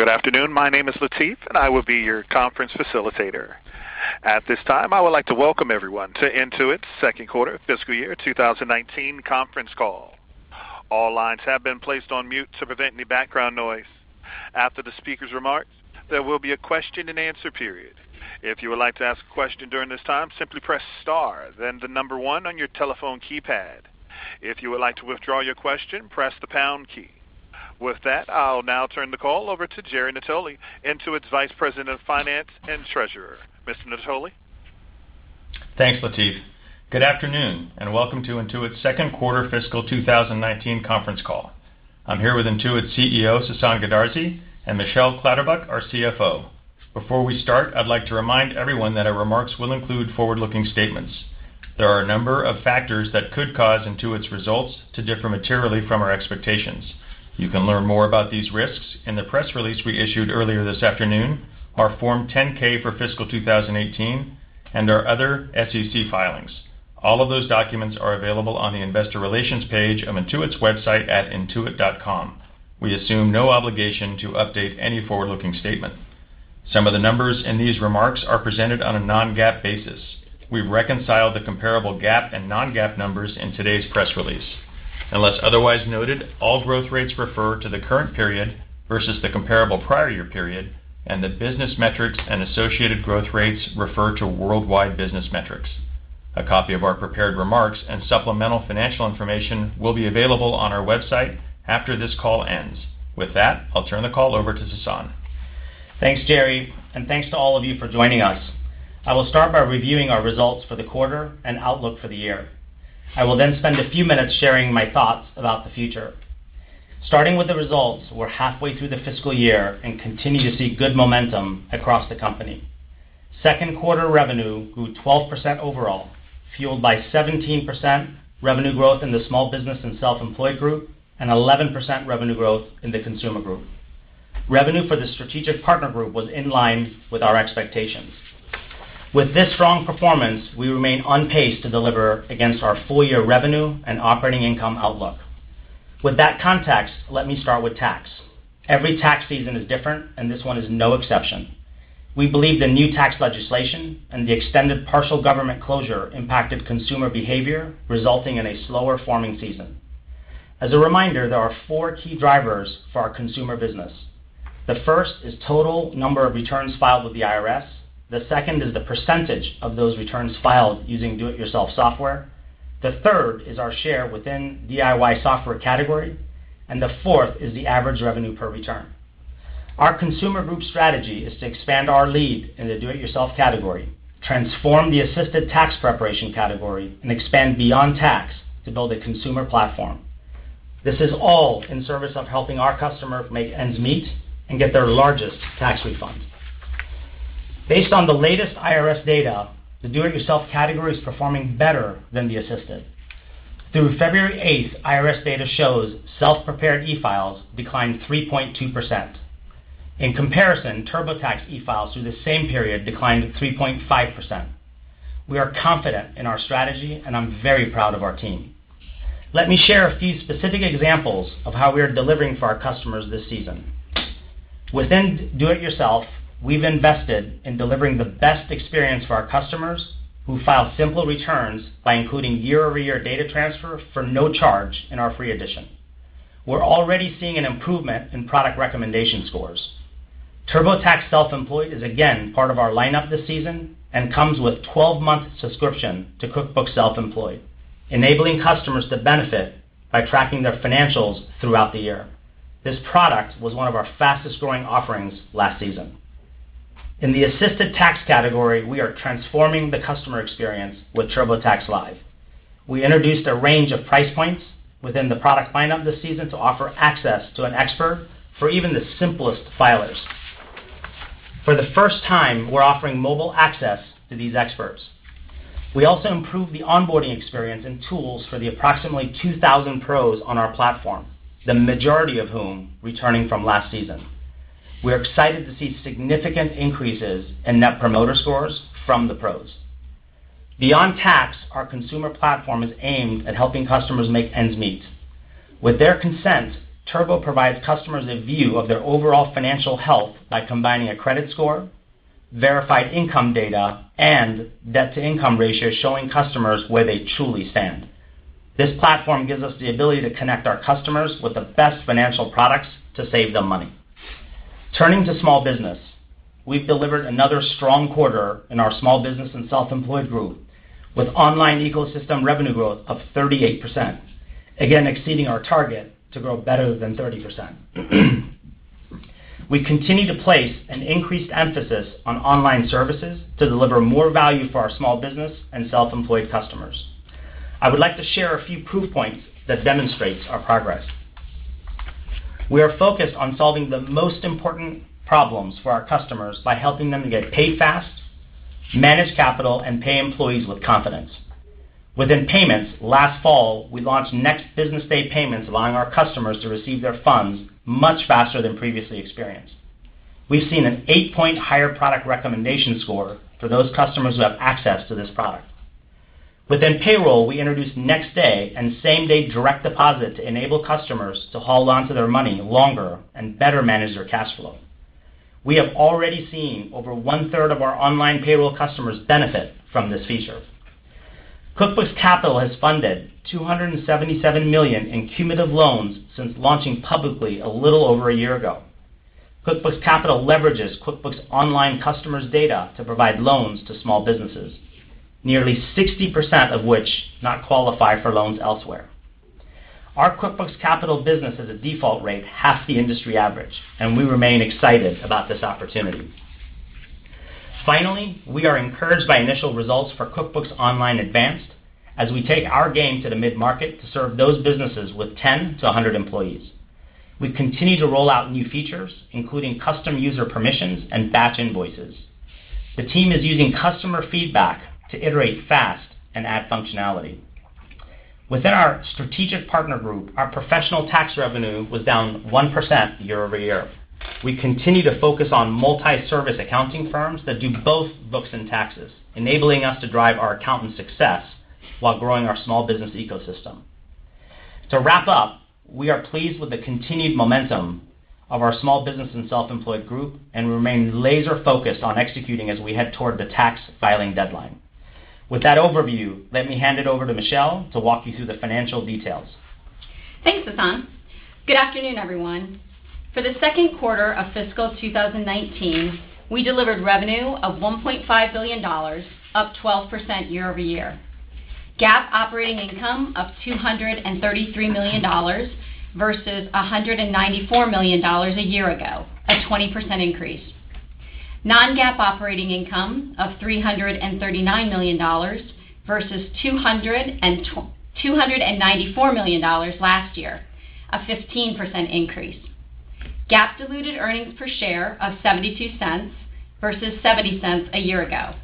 Good afternoon. My name is Latif, and I will be your conference facilitator. At this time, I would like to welcome everyone to Intuit's Q2 fiscal year 2019 conference call. All lines have been placed on mute to prevent any background noise. After the speaker's remarks, there will be a question-and-answer period. If you would like to ask a question during this time, simply press star then one on your telephone keypad. If you would like to withdraw your question, press the pound key. With that, I'll now turn the call over to Jerry Natoli, Intuit's Vice President of Finance and Treasurer. Mr. Natoli. Thanks, Latif. Good afternoon, and welcome to Intuit's Q2 fiscal 2019 conference call. I'm here with Intuit's CEO, Sasan Goodarzi, and Michelle Clatterbuck, our CFO. Before we start, I'd like to remind everyone that our remarks will include forward-looking statements. There are a number of factors that could cause Intuit's results to differ materially from our expectations. You can learn more about these risks in the press release we issued earlier this afternoon, our Form 10-K for fiscal 2018, and our other SEC filings. All of those documents are available on the investor relations page of Intuit's website at intuit.com. We assume no obligation to update any forward-looking statement. Some of the numbers in these remarks are presented on a non-GAAP basis. We've reconciled the comparable GAAP and non-GAAP numbers in today's press release. Unless otherwise noted, all growth rates refer to the current period versus the comparable prior year period, and the business metrics and associated growth rates refer to worldwide business metrics. A copy of our prepared remarks and supplemental financial information will be available on our website after this call ends. With that, I'll turn the call over to Sasan. Thanks, Jerry, and thanks to all of you for joining us. I will start by reviewing our results for the quarter and outlook for the year. I will then spend a few minutes sharing my thoughts about the future. Starting with the results, we're halfway through the fiscal year and continue to see good momentum across the company. Q2 revenue grew 12% overall, fueled by 17% revenue growth in the Small Business and Self-Employed Group, and 11% revenue growth in the Consumer Group. Revenue for the Strategic Partner Group was in line with our expectations. With this strong performance, we remain on pace to deliver against our full-year revenue and operating income outlook. With that context, let me start with tax. Every tax season is different, and this one is no exception. We believe the new tax legislation and the extended partial government closure impacted consumer behavior, resulting in a slower forming season. As a reminder, there are four key drivers for our consumer business. The first is total number of returns filed with the IRS. The second is the percentage of those returns filed using do it yourself software. The third is our share within DIY software category, and the fourth is the average revenue per return. Our consumer group strategy is to expand our lead in the do it yourself category, transform the assisted tax preparation category, and expand beyond tax to build a consumer platform. This is all in service of helping our customer make ends meet and get their largest tax refund. Based on the latest IRS data, the do it yourself category is performing better than the assisted. Through February 8th, IRS data shows self-prepared e-files declined 3.2%. In comparison, TurboTax e-files through the same period declined 3.5%. We are confident in our strategy, and I'm very proud of our team. Let me share a few specific examples of how we are delivering for our customers this season. Within do it yourself, we've invested in delivering the best experience for our customers who file simple returns by including year-over-year data transfer for no charge in our free edition. We're already seeing an improvement in product recommendation scores. TurboTax Self-Employed is again part of our lineup this season and comes with 12-month subscription to QuickBooks Self-Employed, enabling customers to benefit by tracking their financials throughout the year. This product was one of our fastest-growing offerings last season. In the assisted tax category, we are transforming the customer experience with TurboTax Live. We introduced a range of price points within the product lineup this season to offer access to an expert for even the simplest filers. For the first time, we're offering mobile access to these experts. We also improved the onboarding experience and tools for the approximately 2,000 pros on our platform, the majority of whom returning from last season. We're excited to see significant increases in Net Promoter Scores from the pros. Beyond tax, our consumer platform is aimed at helping customers make ends meet. With their consent, Turbo provides customers a view of their overall financial health by combining a credit score, verified income data, and debt to income ratio showing customers where they truly stand. This platform gives us the ability to connect our customers with the best financial products to save them money. Turning to Small Business, we've delivered another strong quarter in our Small Business and Self-Employed Group with online ecosystem revenue growth of 38%, again exceeding our target to grow better than 30%. We continue to place an increased emphasis on online services to deliver more value for our small business and self-employed customers. I would like to share a few proof points that demonstrates our progress. We are focused on solving the most important problems for our customers by helping them to get paid fast, manage capital, and pay employees with confidence. Within payments, last fall, we launched next business day payments allowing our customers to receive their funds much faster than previously experienced. We've seen an 8-point higher product recommendation score for those customers who have access to this product. Within Payroll, we introduced next-day and same-day direct deposit to enable customers to hold onto their money longer and better manage their cash flow. We have already seen over one-third of our online payroll customers benefit from this feature. QuickBooks Capital has funded $277 million in cumulative loans since launching publicly a little over a year ago. QuickBooks Capital leverages QuickBooks Online customers' data to provide loans to small businesses, nearly 60% of which not qualify for loans elsewhere. Our QuickBooks Capital business has a default rate half the industry average, and we remain excited about this opportunity. Finally, we are encouraged by initial results for QuickBooks Online Advanced as we take our game to the mid-market to serve those businesses with 10-100 employees. We continue to roll out new features, including custom user permissions and batch invoices. The team is using customer feedback to iterate fast and add functionality. Within our strategic partner group, our professional tax revenue was down 1% year-over-year. We continue to focus on multi-service accounting firms that do both books and taxes, enabling us to drive our accountant success while growing our small business ecosystem. To wrap up, we are pleased with the continued momentum of our small business and self-employed group and remain laser-focused on executing as we head toward the tax filing deadline. With that overview, let me hand it over to Michelle to walk you through the financial details. Thanks, Sasan. Good afternoon, everyone. For the Q2 of fiscal 2019, we delivered revenue of $1.5 billion, up 12% year-over-year. GAAP operating income of $233 million versus $194 million a year ago, a 20% increase. Non-GAAP operating income of $339 million versus $294 million last year, a 15% increase. GAAP diluted earnings per share of $0.72 versus $0.70 a year ago.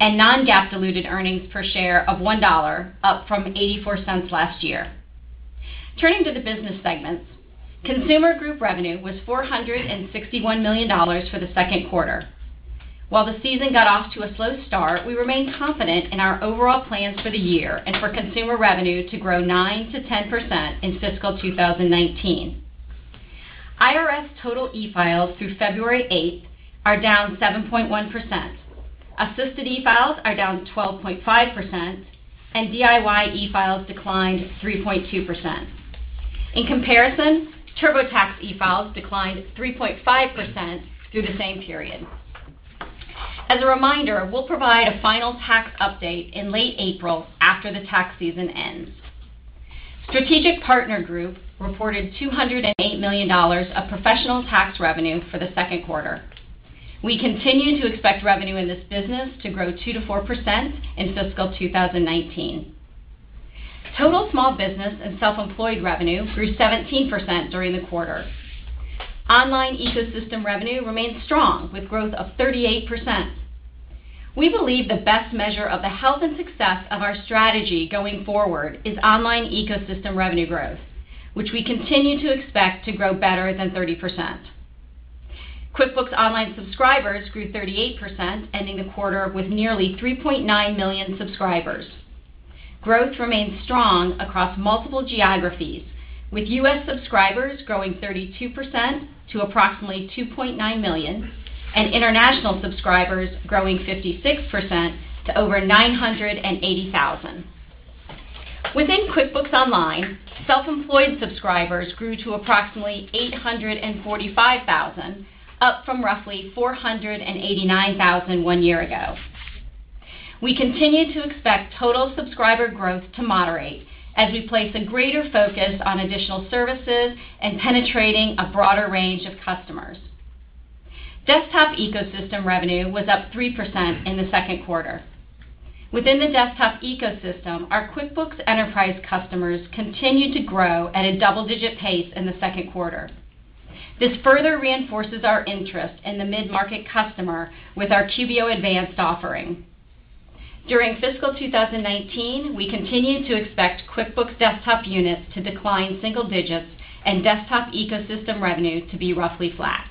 Non-GAAP diluted earnings per share of $1, up from $0.84 last year. Turning to the business segments, consumer group revenue was $461 million for the Q2. While the season got off to a slow start, we remain confident in our overall plans for the year and for consumer revenue to grow 9%-10% in fiscal 2019. IRS total e-files through February 8th are down 7.1%. Assisted e-files are down 12.5%, and DIY e-files declined 3.2%. In comparison, TurboTax e-files declined 3.5% through the same period. As a reminder, we'll provide a final tax update in late April after the tax season ends. Strategic Partner Group reported $208 million of professional tax revenue for the Q2. We continue to expect revenue in this business to grow 2%-4% in fiscal 2019. Total small business and self-employed revenue grew 17% during the quarter. Online ecosystem revenue remains strong, with growth of 38%. We believe the best measure of the health and success of our strategy going forward is online ecosystem revenue growth, which we continue to expect to grow better than 30%. QuickBooks Online subscribers grew 38%, ending the quarter with nearly 3.9 million subscribers. Growth remains strong across multiple geographies, with U.S. subscribers growing 32% to approximately 2.9 million, and international subscribers growing 56% to over 980,000. Within QuickBooks Online, self-employed subscribers grew to approximately 845,000, up from roughly 489,000 one year ago. We continue to expect total subscriber growth to moderate as we place a greater focus on additional services and penetrating a broader range of customers. Desktop ecosystem revenue was up 3% in the Q2. Within the desktop ecosystem, our QuickBooks enterprise customers continued to grow at a double-digit pace in the Q2. This further reinforces our interest in the mid-market customer with our QBO Advanced offering. During fiscal 2019, we continue to expect QuickBooks Desktop units to decline single digits and desktop ecosystem revenue to be roughly flat.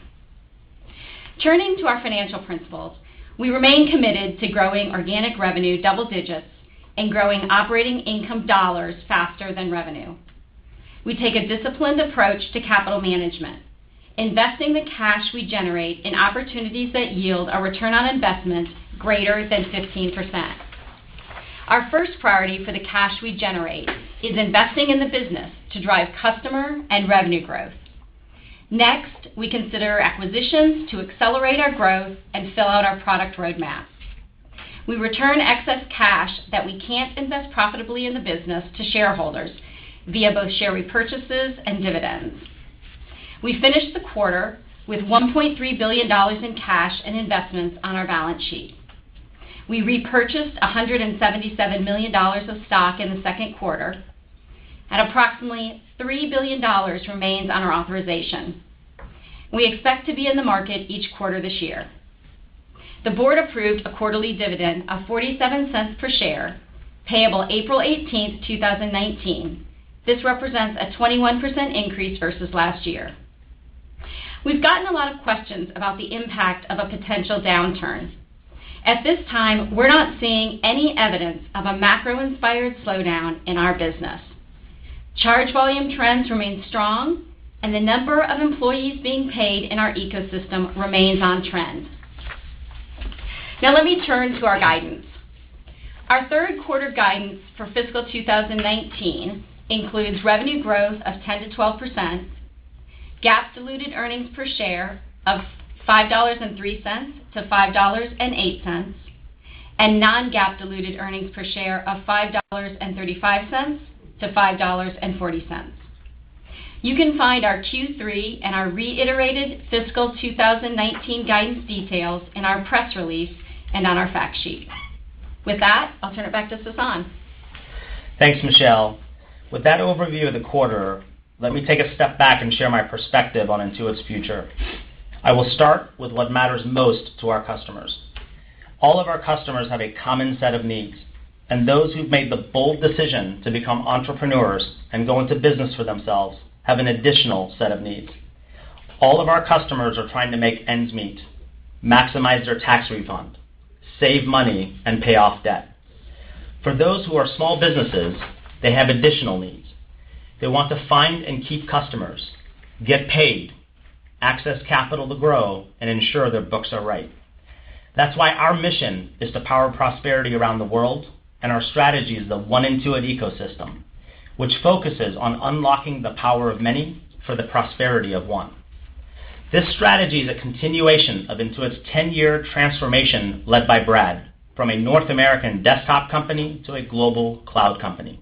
Turning to our financial principles, we remain committed to growing organic revenue double digits and growing operating income dollars faster than revenue. We take a disciplined approach to capital management, investing the cash we generate in opportunities that yield a return on investment greater than 15%. Our first priority for the cash we generate is investing in the business to drive customer and revenue growth. Next, we consider acquisitions to accelerate our growth and fill out our product roadmap. We return excess cash that we can't invest profitably in the business to shareholders via both share repurchases and dividends. We finished the quarter with $1.3 billion in cash and investments on our balance sheet. We repurchased $177 million of stock in the Q2, and approximately $3 billion remains on our authorization. We expect to be in the market each quarter this year. The board approved a quarterly dividend of $0.47 per share, payable April 18, 2019. This represents a 21% increase versus last year. We've gotten a lot of questions about the impact of a potential downturn. At this time, we're not seeing any evidence of a macro-inspired slowdown in our business. Charge volume trends remain strong, and the number of employees being paid in our ecosystem remains on trend. Now let me turn to our guidance. Our Q3 guidance for fiscal 2019 includes revenue growth of 10%-12%, GAAP diluted earnings per share of $5.03-$5.08, and non-GAAP diluted earnings per share of $5.35-$5.40. You can find our Q3 and our reiterated fiscal 2019 guidance details in our press release and on our fact sheet. With that, I'll turn it back to Sasan. Thanks, Michelle. With that overview of the quarter, let me take a step back and share my perspective on Intuit's future. I will start with what matters most to our customers. All of our customers have a common set of needs, and those who've made the bold decision to become entrepreneurs and go into business for themselves have an additional set of needs. All of our customers are trying to make ends meet, maximize their tax refund, save money, and pay off debt. For those who are small businesses, they have additional needs. They want to find and keep customers, get paid, access capital to grow, and ensure their books are right. That's why our mission is to power prosperity around the world, and our strategy is the One Intuit ecosystem, which focuses on unlocking the power of many for the prosperity of one. This strategy is a continuation of Intuit's 10-year transformation, led by Brad, from a North American desktop company to a global cloud company.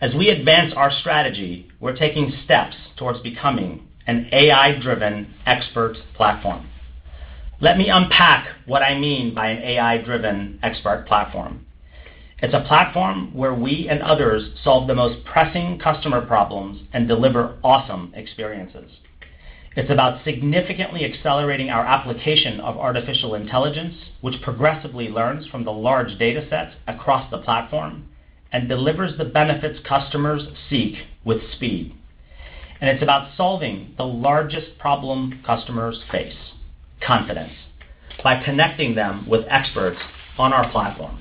As we advance our strategy, we're taking steps towards becoming an AI-driven expert platform. Let me unpack what I mean by an AI-driven expert platform. It's a platform where we and others solve the most pressing customer problems and deliver awesome experiences. It's about significantly accelerating our application of artificial intelligence, which progressively learns from the large data sets across the platform and delivers the benefits customers seek with speed. It's about solving the largest problem customers face, confidence, by connecting them with experts on our platform.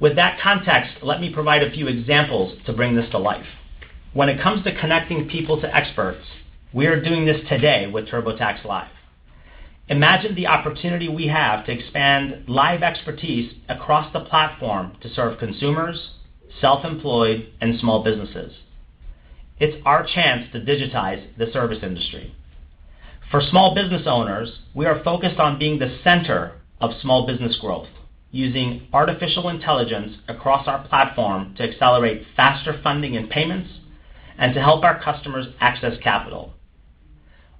With that context, let me provide a few examples to bring this to life. When it comes to connecting people to experts, we are doing this today with TurboTax Live. Imagine the opportunity we have to expand live expertise across the platform to serve consumers, self-employed, and small businesses. It's our chance to digitize the service industry. For small business owners, we are focused on being the center of small business growth, using artificial intelligence across our platform to accelerate faster funding and payments and to help our customers access capital.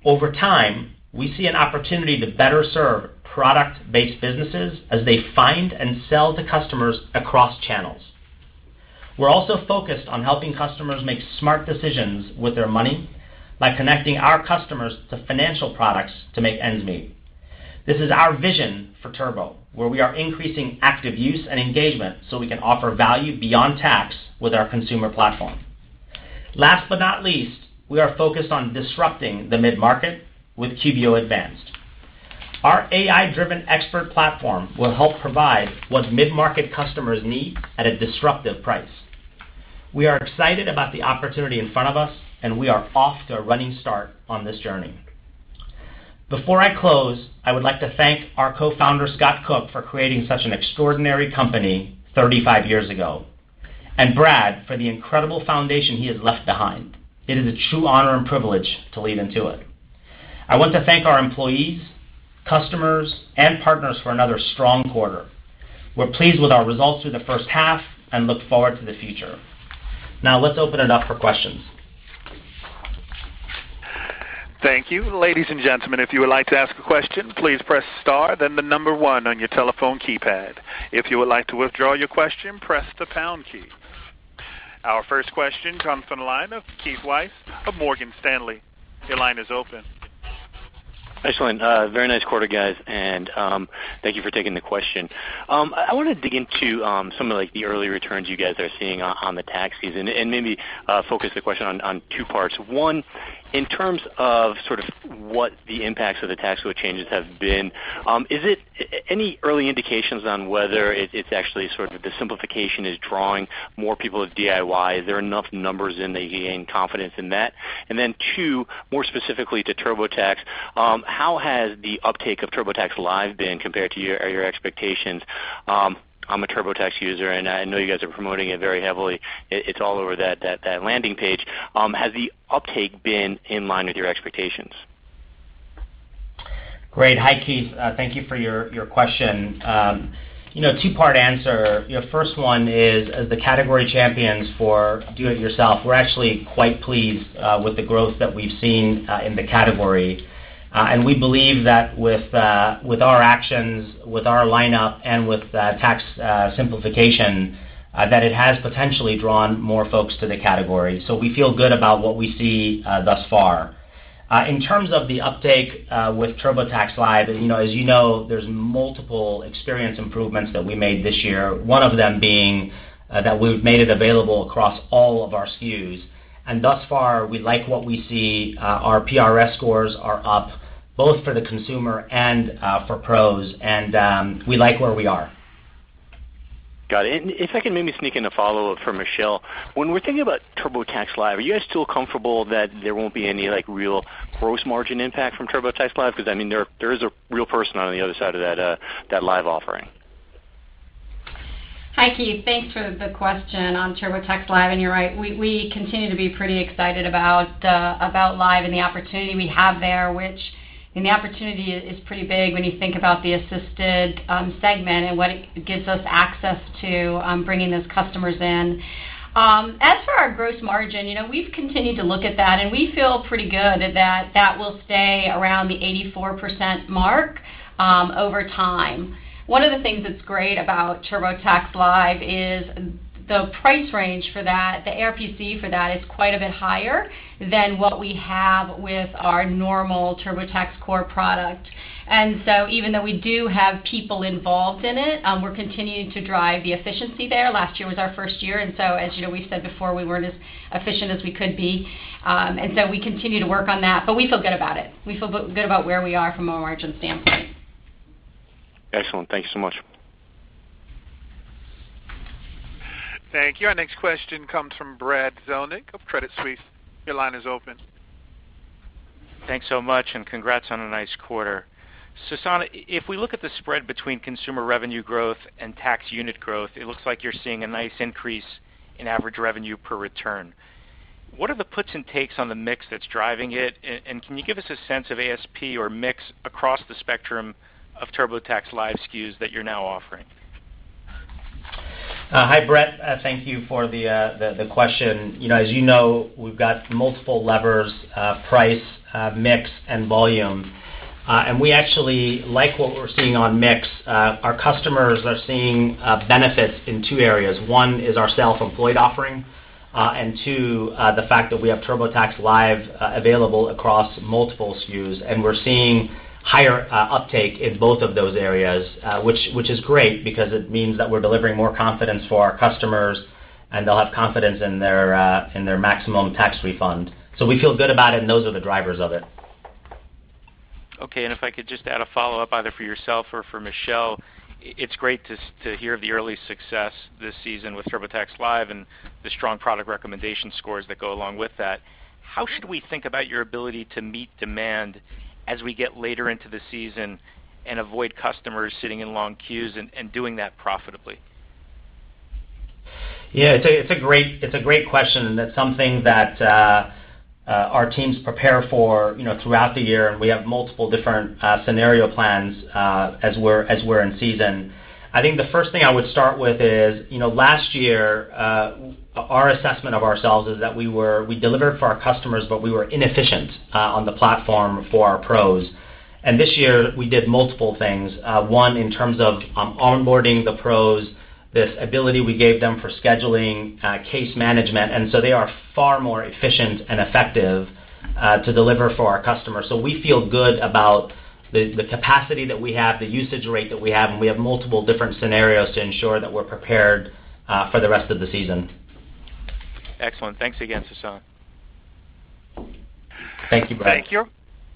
Over time, we see an opportunity to better serve product-based businesses as they find and sell to customers across channels. We're also focused on helping customers make smart decisions with their money by connecting our customers to financial products to make ends meet. This is our vision for Turbo, where we are increasing active use and engagement so we can offer value beyond tax with our consumer platform. Last but not least, we are focused on disrupting the mid-market with QBO Advanced. Our AI-driven expert platform will help provide what mid-market customers need at a disruptive price. We are excited about the opportunity in front of us, we are off to a running start on this journey. Before I close, I would like to thank our co-founder, Scott Cook, for creating such an extraordinary company 35 years ago, and Brad for the incredible foundation he has left behind. It is a true honor and privilege to lead Intuit. I want to thank our employees, customers, and partners for another strong quarter. We're pleased with our results through the H1 and look forward to the future. Let's open it up for questions. Thank you. Ladies and gentlemen, if you would like to ask a question, please press star then the number one on your telephone keypad. If you would like to withdraw your question, press the pound key. Our first question comes from the line of Keith Weiss of Morgan Stanley. Your line is open. Excellent. Very nice quarter, guys, and thank you for taking the question. I want to dig into some of the early returns you guys are seeing on the tax season and maybe focus the question on two parts. One, in terms of what the impacts of the tax law changes have been, any early indications on whether it's actually the simplification is drawing more people to DIY? Is there enough numbers in that you gain confidence in that? Two, more specifically to TurboTax, how has the uptake of TurboTax Live been compared to your expectations? I'm a TurboTax user, and I know you guys are promoting it very heavily. It's all over that landing page. Has the uptake been in line with your expectations? Great. Hi, Keith. Thank you for your question. Two-part answer. First one is, as the category champions for do it yourself, we're actually quite pleased with the growth that we've seen in the category. We believe that with our actions, with our lineup, and with tax simplification, it has potentially drawn more folks to the category. We feel good about what we see thus far. In terms of the uptake with TurboTax Live, as you know, there's multiple experience improvements that we made this year. One of them being that we've made it available across all of our SKUs. Thus far, we like what we see. Our PRS scores are up both for the consumer and for pros, and we like where we are. Got it. If I can maybe sneak in a follow-up for Michelle. When we're thinking about TurboTax Live, are you guys still comfortable that there won't be any real gross margin impact from TurboTax Live? Because there is a real person on the other side of that Live offering. Hi, Keith. Thanks for the question on TurboTax Live, and you're right. We continue to be pretty excited about Live and the opportunity we have there, which, the opportunity is pretty big when you think about the assisted segment and what it gives us access to, bringing those customers in. As for our gross margin, we've continued to look at that, and we feel pretty good that that will stay around the 84% mark over time. One of the things that's great about TurboTax Live is the price range for that, the ARPC for that, is quite a bit higher than what we have with our normal TurboTax core product. Even though we do have people involved in it, we're continuing to drive the efficiency there. Last year was our first year, as you know, we've said before, we weren't as efficient as we could be. We continue to work on that, but we feel good about it. We feel good about where we are from a margin standpoint. Excellent. Thank you so much. Thank you. Our next question comes from Brad Zelnick of Credit Suisse. Your line is open. Thanks so much, congrats on a nice quarter. Sasan, if we look at the spread between consumer revenue growth and tax unit growth, it looks like you're seeing a nice increase in average revenue per return. What are the puts and takes on the mix that's driving it? Can you give us a sense of ASP or mix across the spectrum of TurboTax Live SKUs that you're now offering? Hi, Brad. Thank you for the question. As you know, we've got multiple levers, price, mix, and volume. We actually like what we're seeing on mix. Our customers are seeing benefits in two areas. One is our Self-Employed offering, and two, the fact that we have TurboTax Live available across multiple SKUs. We're seeing higher uptake in both of those areas, which is great because it means that we're delivering more confidence for our customers, and they'll have confidence in their maximum tax refund. We feel good about it, and those are the drivers of it. Okay, if I could just add a follow-up either for yourself or for Michelle. It's great to hear of the early success this season with TurboTax Live and the strong product recommendation scores that go along with that. How should we think about your ability to meet demand as we get later into the season and avoid customers sitting in long queues and doing that profitably? Yeah, it's a great question, that's something that our teams prepare for throughout the year, and we have multiple different scenario plans as we're in season. I think the first thing I would start with is, last year, our assessment of ourselves is that we delivered for our customers, but we were inefficient on the platform for our pros. This year, we did multiple things. One, in terms of onboarding the pros, this ability we gave them for scheduling case management, they are far more efficient and effective to deliver for our customers. We feel good about the capacity that we have, the usage rate that we have, and we have multiple different scenarios to ensure that we're prepared for the rest of the season. Excellent. Thanks again, Sasan. Thank you, Brad. Thank you.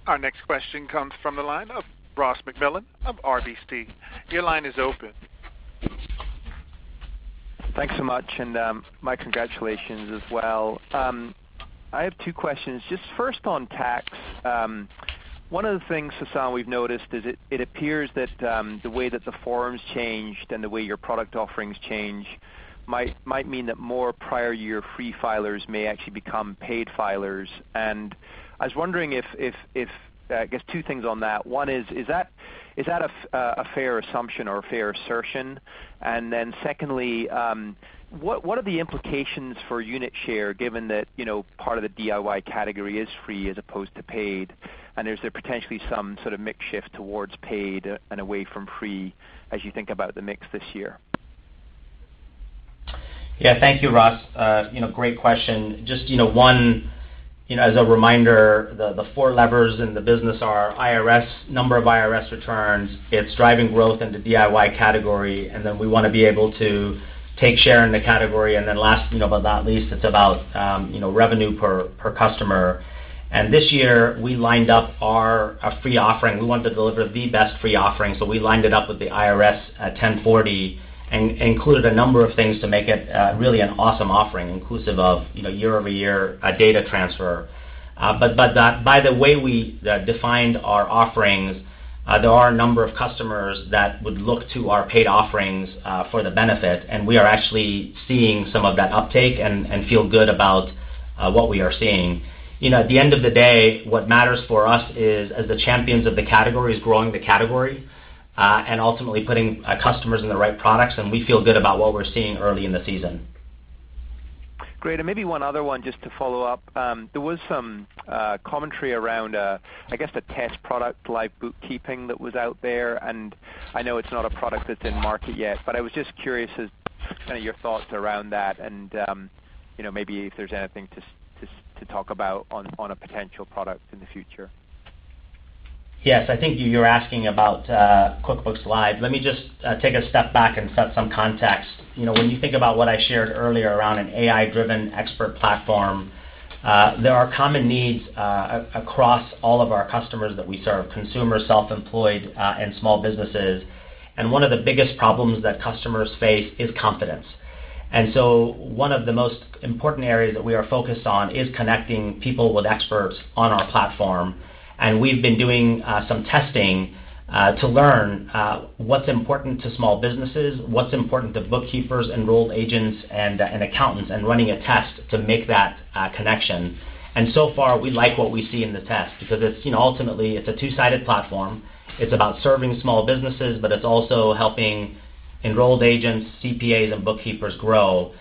Our next question comes from the line of Ross MacMillan of RBC. Your line is open. Thanks so much. My congratulations as well. I have two questions. Just first on tax. One of the things, Sasan, we've noticed is it appears that the way that the forms changed and the way your product offerings change might mean that more prior year free filers may actually become paid filers. I was wondering, I guess two things on that. One is that a fair assumption or a fair assertion? Then secondly, what are the implications for unit share given that part of the DIY category is free as opposed to paid? Is there potentially some sort of mix shift towards paid and away from free as you think about the mix this year? Thank you, Ross. Great question. Just one, as a reminder, the four levers in the business are number of IRS returns. It's driving growth in the DIY category. Then we want to be able to take share in the category. Last but not least, it's about revenue per customer. This year, we lined up our free offering. We wanted to deliver the best free offering. We lined it up with the IRS 1040 and included a number of things to make it really an awesome offering, inclusive of year-over-year data transfer. By the way we defined our offerings, there are a number of customers that would look to our paid offerings for the benefit. We are actually seeing some of that uptake and feel good about what we are seeing. At the end of the day, what matters for us is, as the champions of the category, is growing the category, and ultimately putting customers in the right products, and we feel good about what we're seeing early in the season. Great. Maybe one other one just to follow-up. There was some commentary around, I guess, the test product, QuickBooks Live, that was out there, and I know it's not a product that's in market yet, but I was just curious as to your thoughts around that and maybe if there's anything to talk about on a potential product in the future. Yes, I think you're asking about QuickBooks Live. Let me just take a step back and set some context. When you think about what I shared earlier around an AI-driven expert platform, there are common needs across all of our customers that we serve, consumers, self-employed, and small businesses. One of the biggest problems that customers face is confidence. So one of the most important areas that we are focused on is connecting people with experts on our platform. We've been doing some testing to learn what's important to small businesses, what's important to bookkeepers, enrolled agents and accountants, and running a test to make that connection. So far, we like what we see in the test because ultimately it's a two-sided platform. It's about serving small businesses, but it's also helping enrolled agents, CPAs, and bookkeepers grow.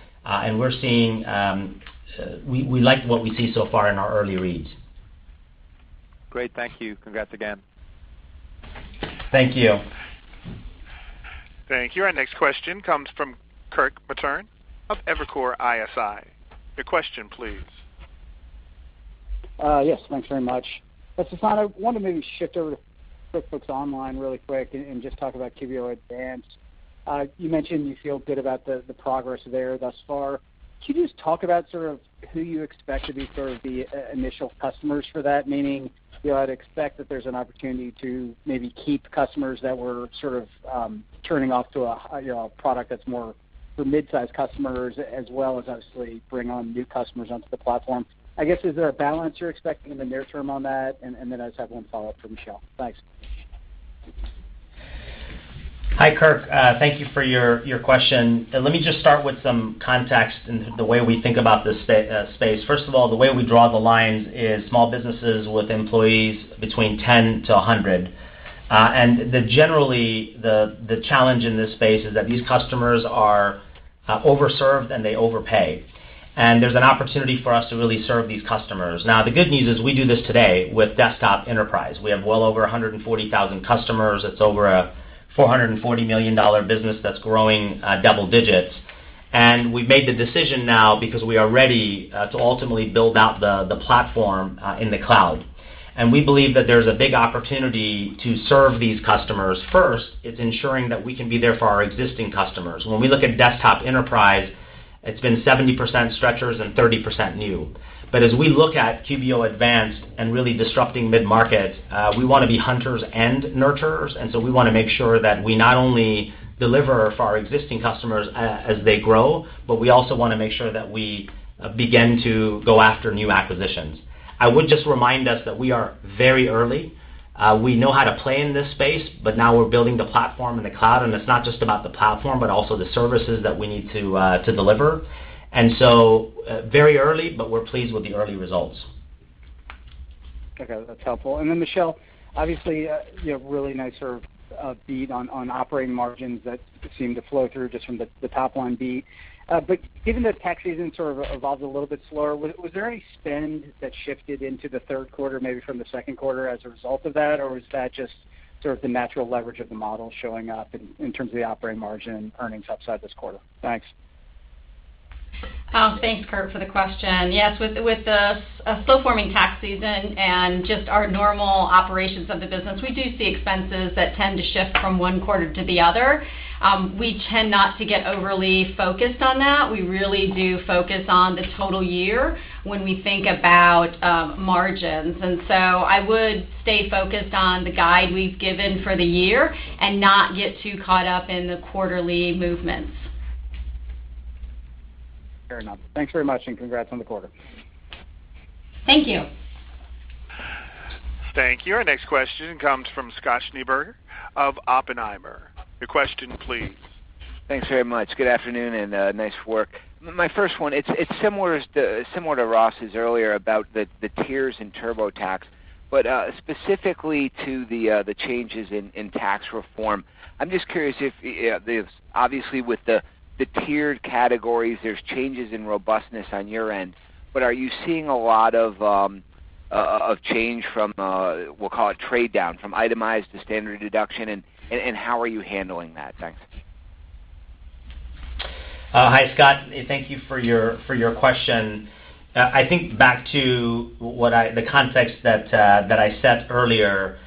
We like what we see so far in our early reads. Great. Thank you. Congrats again. Thank you. Thank you. Our next question comes from Kirk Materne of Evercore ISI. Your question please. Thanks very much. Sasan, I wanted to maybe shift over to QuickBooks Online really quick and just talk about QBO Advanced. You mentioned you feel good about the progress there thus far. Could you just talk about who you expect to be sort of the initial customers for that? Meaning, I'd expect that there's an opportunity to maybe keep customers that were sort of turning off to a product that's more for midsize customers as well as obviously bring on new customers onto the platform. I guess, is there a balance you're expecting in the near term on that? I just have one follow-up for Michelle. Thanks. Hi, Kirk. Thank you for your question. Let me just start with some context in the way we think about this space. First of all, the way we draw the lines is small businesses with employees between 10-100. Generally, the challenge in this space is that these customers are over-served, and they overpay. There's an opportunity for us to really serve these customers. Now, the good news is we do this today with QuickBooks Desktop Enterprise. We have well over 140,000 customers. It's over a $440 million business that's growing double digits. We've made the decision now because we are ready to ultimately build out the platform in the cloud. We believe that there's a big opportunity to serve these customers. First, it's ensuring that we can be there for our existing customers. When we look at QuickBooks Desktop Enterprise, it's been 70% stretchers and 30% new. As we look at QuickBooks Online Advanced and really disrupting mid-market, we want to be hunters and nurturers, we want to make sure that we not only deliver for our existing customers as they grow, but we also want to make sure that we begin to go after new acquisitions. I would just remind us that we are very early. We know how to play in this space, but now we're building the platform in the cloud, and it's not just about the platform, but also the services that we need to deliver. Very early, but we're pleased with the early results. Okay, that's helpful. Michelle, obviously, you have a really nice sort of beat on operating margins that seem to flow through just from the top line beat. Given that tax season sort of evolved a little bit slower, was there any spend that shifted into the Q3, maybe from the Q2 as a result of that, or was that just sort of the natural leverage of the model showing up in terms of the operating margin and earnings upside this quarter? Thanks. Thanks, Kirk, for the question. Yes, with the slow-forming tax season and just our normal operations of the business, we do see expenses that tend to shift from one quarter to the other. We tend not to get overly focused on that. We really do focus on the total year when we think about margins. I would stay focused on the guide we've given for the year and not get too caught up in the quarterly movements. Fair enough. Thanks very much, and congrats on the quarter. Thank you. Thank you. Our next question comes from Scott Schneeberger of Oppenheimer. Your question, please. Thanks very much. Good afternoon, and nice work. My first one, it's similar to Ross's earlier about the tiers in TurboTax, but specifically to the changes in tax reform. I'm just curious if, obviously with the tiered categories, there's changes in robustness on your end, but are you seeing a lot of change from, we'll call it trade down from itemized to standard deduction, and how are you handling that? Thanks. Hi, Scott. Thank you for your question. I think back to the context that I set earlier,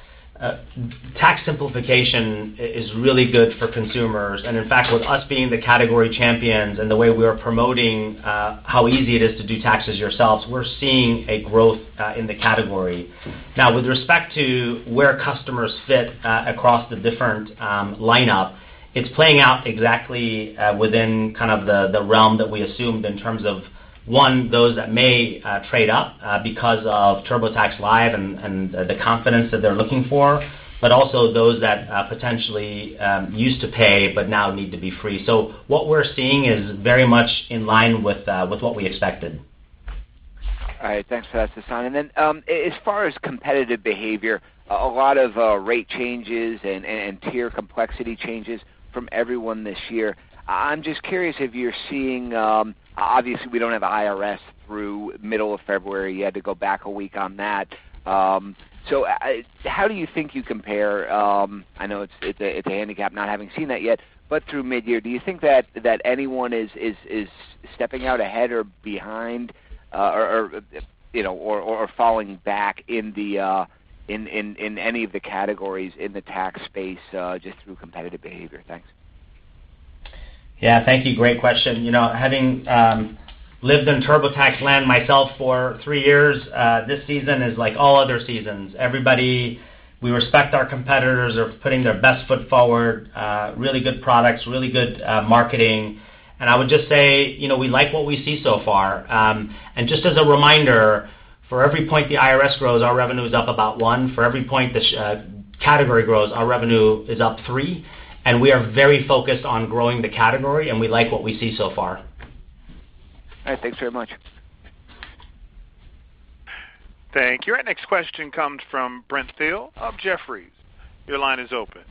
tax simplification is really good for consumers. In fact, with us being the category champions and the way we are promoting how easy it is to do taxes yourselves, we're seeing a growth in the category. With respect to where customers fit across the different lineup, it's playing out exactly within kind of the realm that we assumed in terms of, one, those that may trade up because of TurboTax Live and the confidence that they're looking for, but also those that potentially used to pay but now need to be free. What we're seeing is very much in line with what we expected. All right. Thanks for that, Sasan. As far as competitive behavior, a lot of rate changes and tier complexity changes from everyone this year. I'm just curious if you're seeing Obviously, we don't have IRS through middle of February, you had to go back a week on that. How do you think you compare, I know it's a handicap not having seen that yet, but through midyear, do you think that anyone is stepping out ahead or behind, or falling back in any of the categories in the tax space just through competitive behavior? Thanks. Yeah. Thank you. Great question. Having lived in TurboTax land myself for three years, this season is like all other seasons. We respect our competitors are putting their best foot forward, really good products, really good marketing. I would just say, we like what we see so far. Just as a reminder, for every point the IRS grows, our revenue is up about one. For every point the category grows, our revenue is up three. We are very focused on growing the category, and we like what we see so far. All right. Thanks very much. Thank you. Our next question comes from Brent Thill of Jefferies. Your line is open.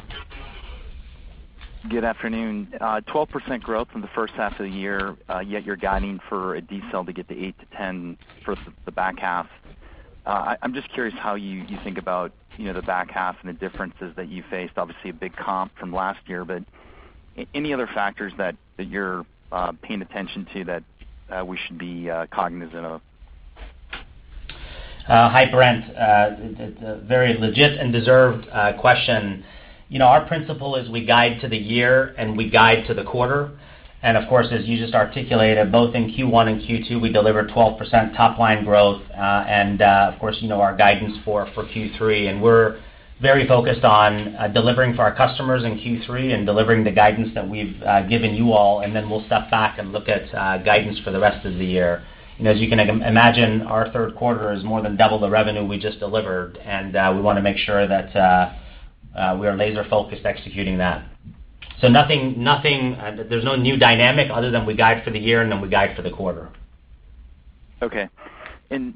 Good afternoon. 12% growth in the H1 of the year, yet you're guiding for a decel to get to 8%-10% for the back half. I'm just curious how you think about the back half and the differences that you faced. Obviously, a big comp from last year, but any other factors that you're paying attention to that we should be cognizant of? Hi, Brent. A very legit and deserved question. Our principle is we guide to the year, and we guide to the quarter. Of course, as you just articulated, both in Q1 and Q2, we delivered 12% top-line growth. Of course, you know our guidance for Q3. We're very focused on delivering for our customers in Q3 and delivering the guidance that we've given you all, then we'll step back and look at guidance for the rest of the year. As you can imagine, our Q3 is more than double the revenue we just delivered, we want to make sure that we're laser-focused executing that. There's no new dynamic other than we guide for the year then we guide for the quarter. Okay.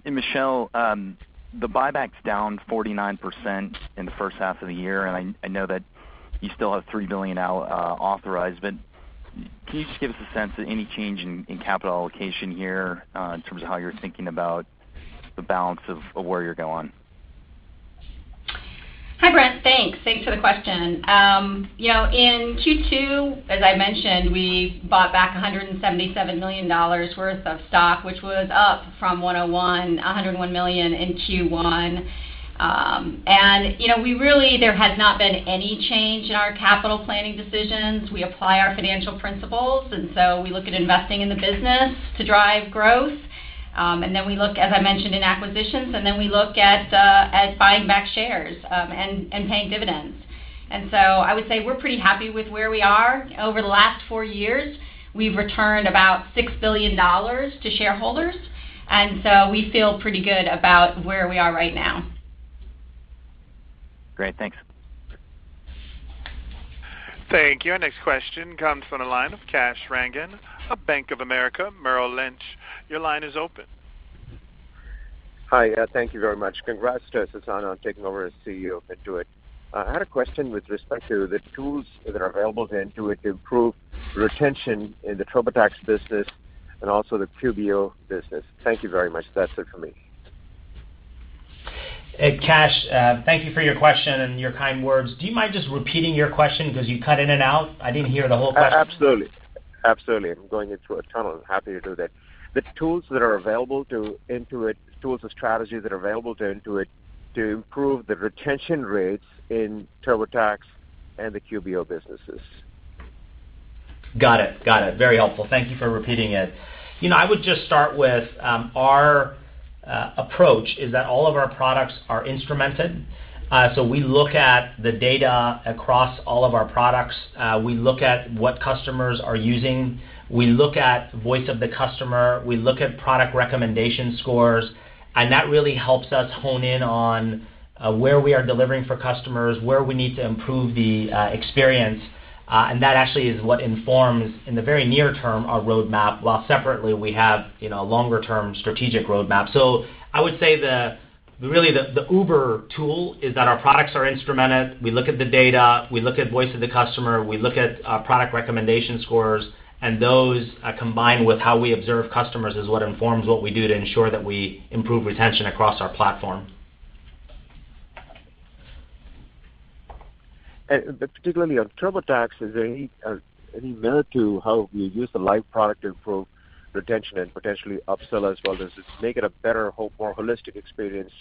Michelle, the buyback's down 49% in the H1 of the year, I know that you still have $3 billion authorized, can you just give us a sense of any change in capital allocation here in terms of how you're thinking about the balance of where you're going? Hi, Brent. Thanks. Thanks for the question. In Q2, as I mentioned, we bought back $177 million worth of stock, which was up from $101 million in Q1. Really, there has not been any change in our capital planning decisions. We apply our financial principles, and so we look at investing in the business to drive growth. We look, as I mentioned, in acquisitions, and then we look at buying back shares, and paying dividends. I would say we're pretty happy with where we are. Over the last four years, we've returned about $6 billion to shareholders, and so we feel pretty good about where we are right now. Great, thanks. Thank you. Our next question comes from the line of Kash Rangan of Bank of America Merrill Lynch. Your line is open. Hi. Thank you very much. Congrats to Sasan on taking over as CEO of Intuit. I had a question with respect to the tools that are available to Intuit to improve retention in the TurboTax business and also the QBO business. Thank you very much. That's it for me. Kash, thank you for your question and your kind words. Do you mind just repeating your question because you cut in and out? I didn't hear the whole question. Absolutely. I'm going into a tunnel. Happy to do that. The tools that are available to Intuit, tools and strategies that are available to Intuit to improve the retention rates in TurboTax and the QBO businesses. Got it. Very helpful. Thank you for repeating it. I would just start with our approach is that all of our products are instrumented. We look at the data across all of our products. We look at what customers are using. We look at voice of the customer. We look at product recommendation scores. That really helps us hone in on where we are delivering for customers, where we need to improve the experience. That actually is what informs, in the very near-term, our roadmap, while separately we have a longer-term strategic roadmap. I would say really the uber tool is that our products are instrumented. We look at the data. We look at voice of the customer. We look at product recommendation scores. Those, combined with how we observe customers, is what informs what we do to ensure that we improve retention across our platform. Particularly on TurboTax, is there any merit to how we use the live product to improve retention and potentially upsell as well? Does this make it a better, more holistic experience?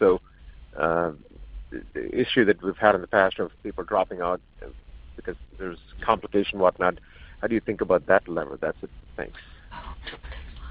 The issue that we've had in the past of people dropping out because there's complication and whatnot, how do you think about that lever? That's it. Thanks.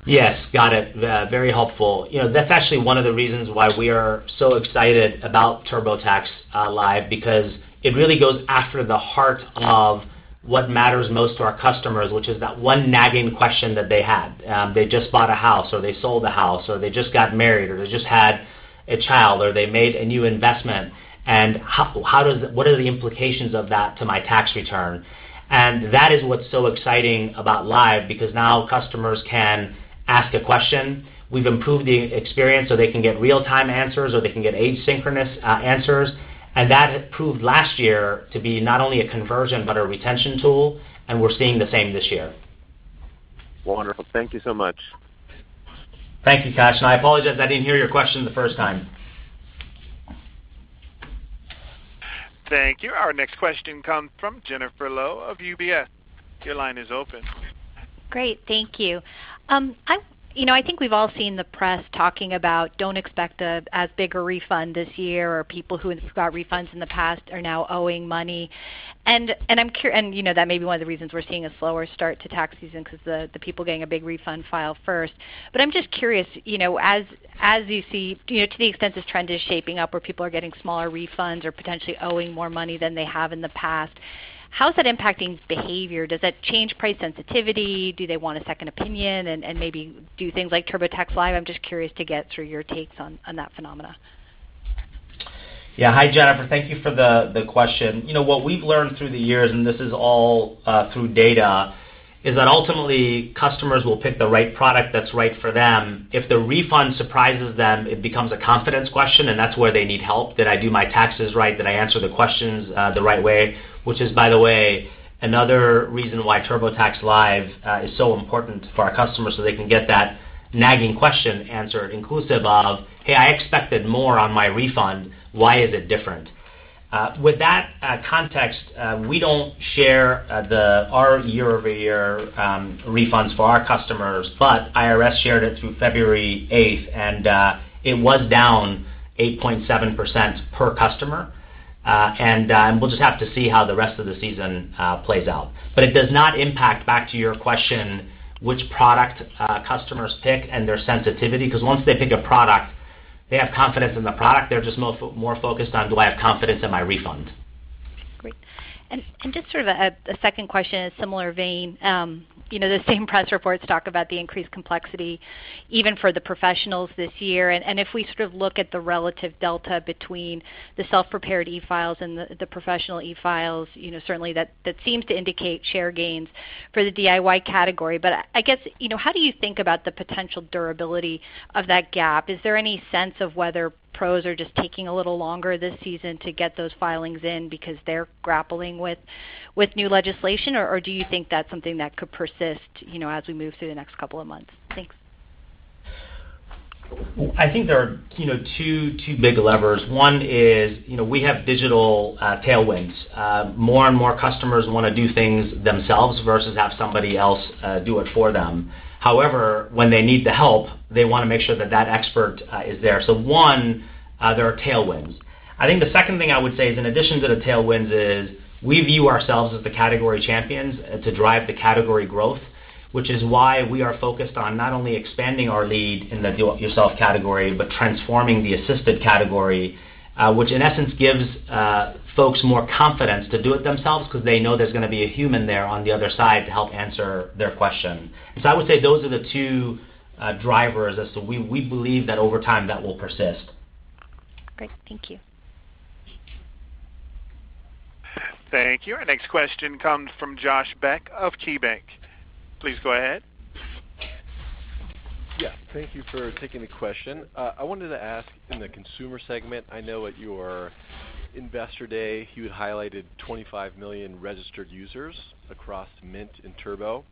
Yes, got it. Very helpful. That's actually one of the reasons why we are so excited about TurboTax Live because it really goes after the heart of what matters most to our customers, which is that one nagging question that they had. They just bought a house or they sold a house or they just got married or they just had a child, or they made a new investment, and what are the implications of that to my tax return? That is what's so exciting about Live, because now customers can ask a question. We've improved the experience so they can get real-time answers, or they can get asynchronous answers. That proved last year to be not only a conversion but a retention tool, We're seeing the same this year. Wonderful. Thank you so much. Thank you, Kash. I apologize, I didn't hear your question the first time. Thank you. Our next question comes from Jennifer Lowe of UBS. Your line is open. Great. Thank you. I think we've all seen the press talking about "don't expect as big a refund this year," or people who got refunds in the past are now owing money. That may be one of the reasons we're seeing a slower start to tax season, because the people getting a big refund file first. I'm just curious, as you see, to the extent this trend is shaping up where people are getting smaller refunds or potentially owing more money than they have in the past, how is that impacting behavior? Does that change price sensitivity? Do they want a second opinion and maybe do things like TurboTax Live? I'm just curious to get through your takes on that phenomena. Yeah. Hi, Jennifer. Thank you for the question. What we've learned through the years, and this is all through data, is that ultimately, customers will pick the right product that's right for them. If the refund surprises them, it becomes a confidence question, and that's where they need help. Did I do my taxes right? Did I answer the questions the right way? Which is, by the way, another reason why TurboTax Live is so important for our customers so they can get that nagging question answered, inclusive of, "Hey, I expected more on my refund. Why is it different?" With that context, we don't share our year-over-year refunds for our customers, but IRS shared it through February 8th, and it was down 8.7% per customer. We'll just have to see how the rest of the season plays out. It does not impact, back to your question, which product customers pick and their sensitivity, because once they pick a product, they have confidence in the product. They're just more focused on, do I have confidence in my refund? Great. Just sort of a second question in a similar vein. The same press reports talk about the increased complexity even for the professionals this year. If we sort of look at the relative delta between the self-prepared e-files and the professional e-files, certainly that seems to indicate share gains for the DIY category. I guess, how do you think about the potential durability of that gap? Is there any sense of whether pros are just taking a little longer this season to get those filings in because they're grappling with new legislation, or do you think that's something that could persist as we move through the next couple of months? Thanks. I think there are two big levers. One is, we have digital tailwinds. More and more customers want to do things themselves versus have somebody else do it for them. However, when they need the help, they want to make sure that that expert is there. One, there are tailwinds. I think the second thing I would say is, in addition to the tailwinds is, we view ourselves as the category champions to drive the category growth, which is why we are focused on not only expanding our lead in the do it yourself category, but transforming the assisted category, which in essence, gives folks more confidence to do it themselves because they know there's going to be a human there on the other side to help answer their question. I would say those are the two drivers. We believe that over time, that will persist. Great. Thank you. Thank you. Our next question comes from Josh Beck of KeyBanc Capital Markets. Please go ahead. Yeah. Thank you for taking the question. I wanted to ask in the consumer segment, I know at your Investor Day, you had highlighted 25 million registered users across Mint and Turbo.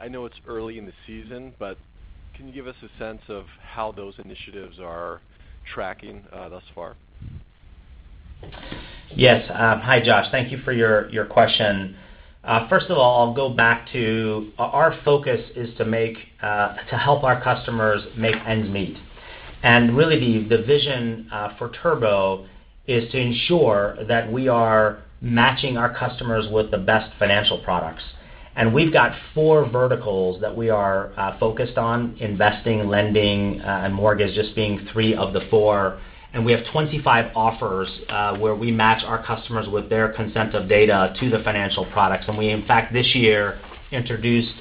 I know it's early in the season, but can you give us a sense of how those initiatives are tracking thus far? Yes. Hi, Josh. Thank you for your question. First of all, I'll go back to, our focus is to help our customers make ends meet. Really, the vision for Turbo is to ensure that we are matching our customers with the best financial products. We've got four verticals that we are focused on, investing, lending, and mortgage, just being three of the four. We have 25 offers where we match our customers with their consent of data to the financial products. We, in fact, this year introduced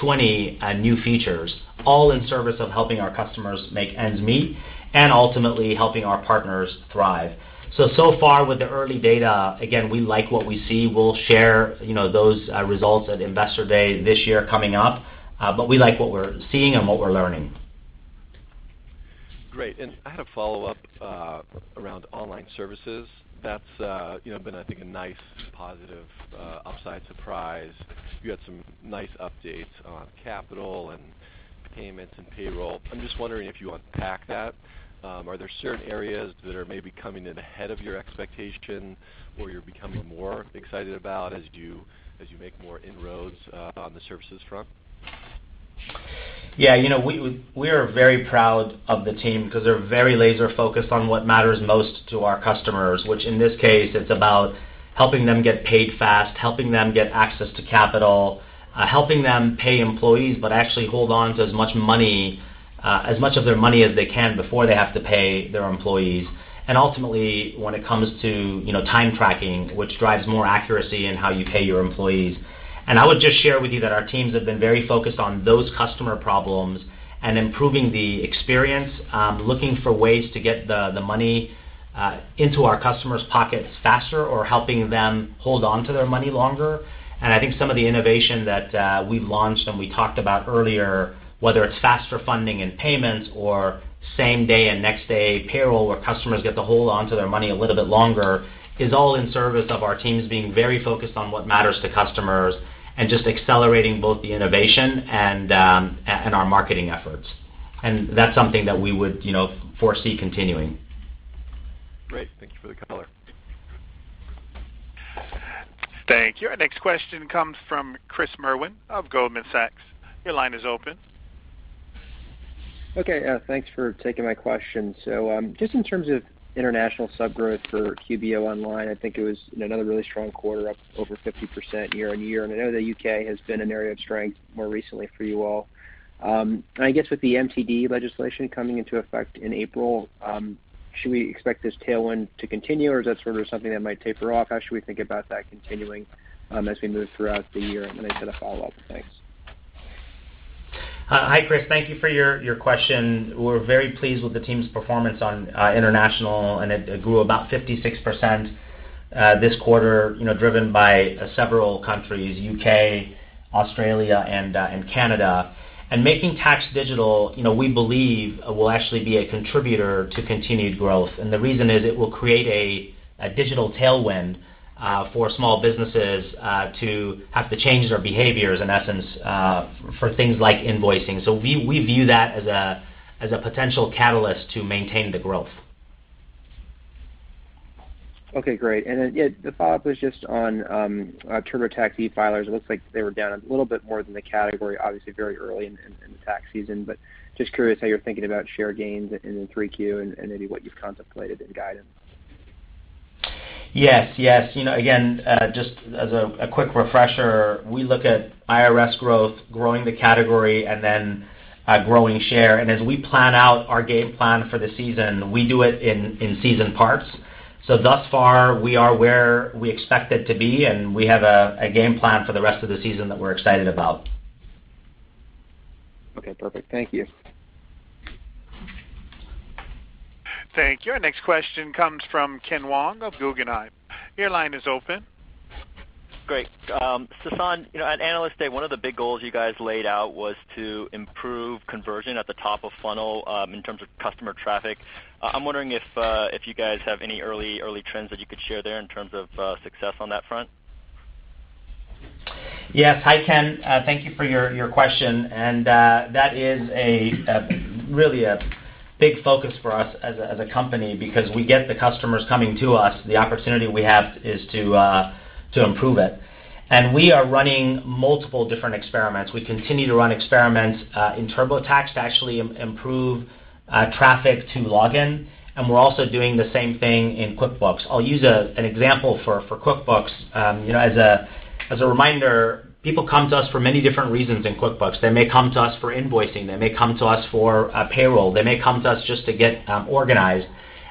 20 new features, all in service of helping our customers make ends meet and ultimately helping our partners thrive. So far with the early data, again, we like what we see. We'll share those results at Investor Day this year coming up. We like what we're seeing and what we're learning. Great. I had a follow-up around online services. That's been, I think, a nice, positive upside surprise. You had some nice updates on capital and payments and payroll. I'm just wondering if you want to unpack that. Are there certain areas that are maybe coming in ahead of your expectation or you're becoming more excited about as you make more inroads on the services front? Yeah. We are very proud of the team because they're very laser-focused on what matters most to our customers, which in this case, it's about helping them get paid fast, helping them get access to capital, helping them pay employees, but actually hold on to as much of their money as they can before they have to pay their employees. Ultimately, when it comes to time tracking, which drives more accuracy in how you pay your employees. I would just share with you that our teams have been very focused on those customer problems and improving the experience, looking for ways to get the money into our customers' pockets faster or helping them hold on to their money longer. I think some of the innovation that we've launched, and we talked about earlier, whether it's faster funding in payments or same day and next day payroll, where customers get to hold onto their money a little bit longer, is all in service of our teams being very focused on what matters to customers and just accelerating both the innovation and our marketing efforts. That's something that we would foresee continuing. Great. Thank you for the color. Thank you. Our next question comes from Chris Merwin of Goldman Sachs. Your line is open. Okay. Thanks for taking my question. Just in terms of international sub-growth for QuickBooks Online, I think it was another really strong quarter, up over 50% year-over-year. I know the U.K. has been an area of strength more recently for you all. I guess with the MTD legislation coming into effect in April, should we expect this tailwind to continue or is that sort of something that might taper off? How should we think about that continuing as we move throughout the year? I had a follow-up. Thanks. Hi, Chris. Thank you for your question. We're very pleased with the team's performance on international, and it grew about 56% this quarter, driven by several countries, U.K., Australia, and Canada. Making Tax Digital, we believe will actually be a contributor to continued growth. The reason is it will create a digital tailwind for small businesses to have to change their behaviors, in essence, for things like invoicing. We view that as a potential catalyst to maintain the growth. Okay, great. The follow-up was just on TurboTax e-filers. It looks like they were down a little bit more than the category, obviously very early in the tax season, but just curious how you're thinking about share gains in Q3 and maybe what you've contemplated in guidance. Yes. Again, just as a quick refresher, we look at IRS growth, growing the category, and then growing share. As we plan out our game plan for the season, we do it in season parts. Thus far, we are where we expected to be, and we have a game plan for the rest of the season that we're excited about. Okay, perfect. Thank you. Thank you. Our next question comes from Ken Wong of Guggenheim. Your line is open. Great. Sasan, at Analyst Day, one of the big goals you guys laid out was to improve conversion at the top of funnel in terms of customer traffic. I'm wondering if you guys have any early trends that you could share there in terms of success on that front. Yes. Hi, Ken. Thank you for your question. That is really a big focus for us as a company because we get the customers coming to us, the opportunity we have is to improve it. We are running multiple different experiments. We continue to run experiments in TurboTax to actually improve traffic to login, and we're also doing the same thing in QuickBooks. I'll use an example for QuickBooks. As a reminder, people come to us for many different reasons in QuickBooks. They may come to us for invoicing. They may come to us for payroll. They may come to us just to get organized.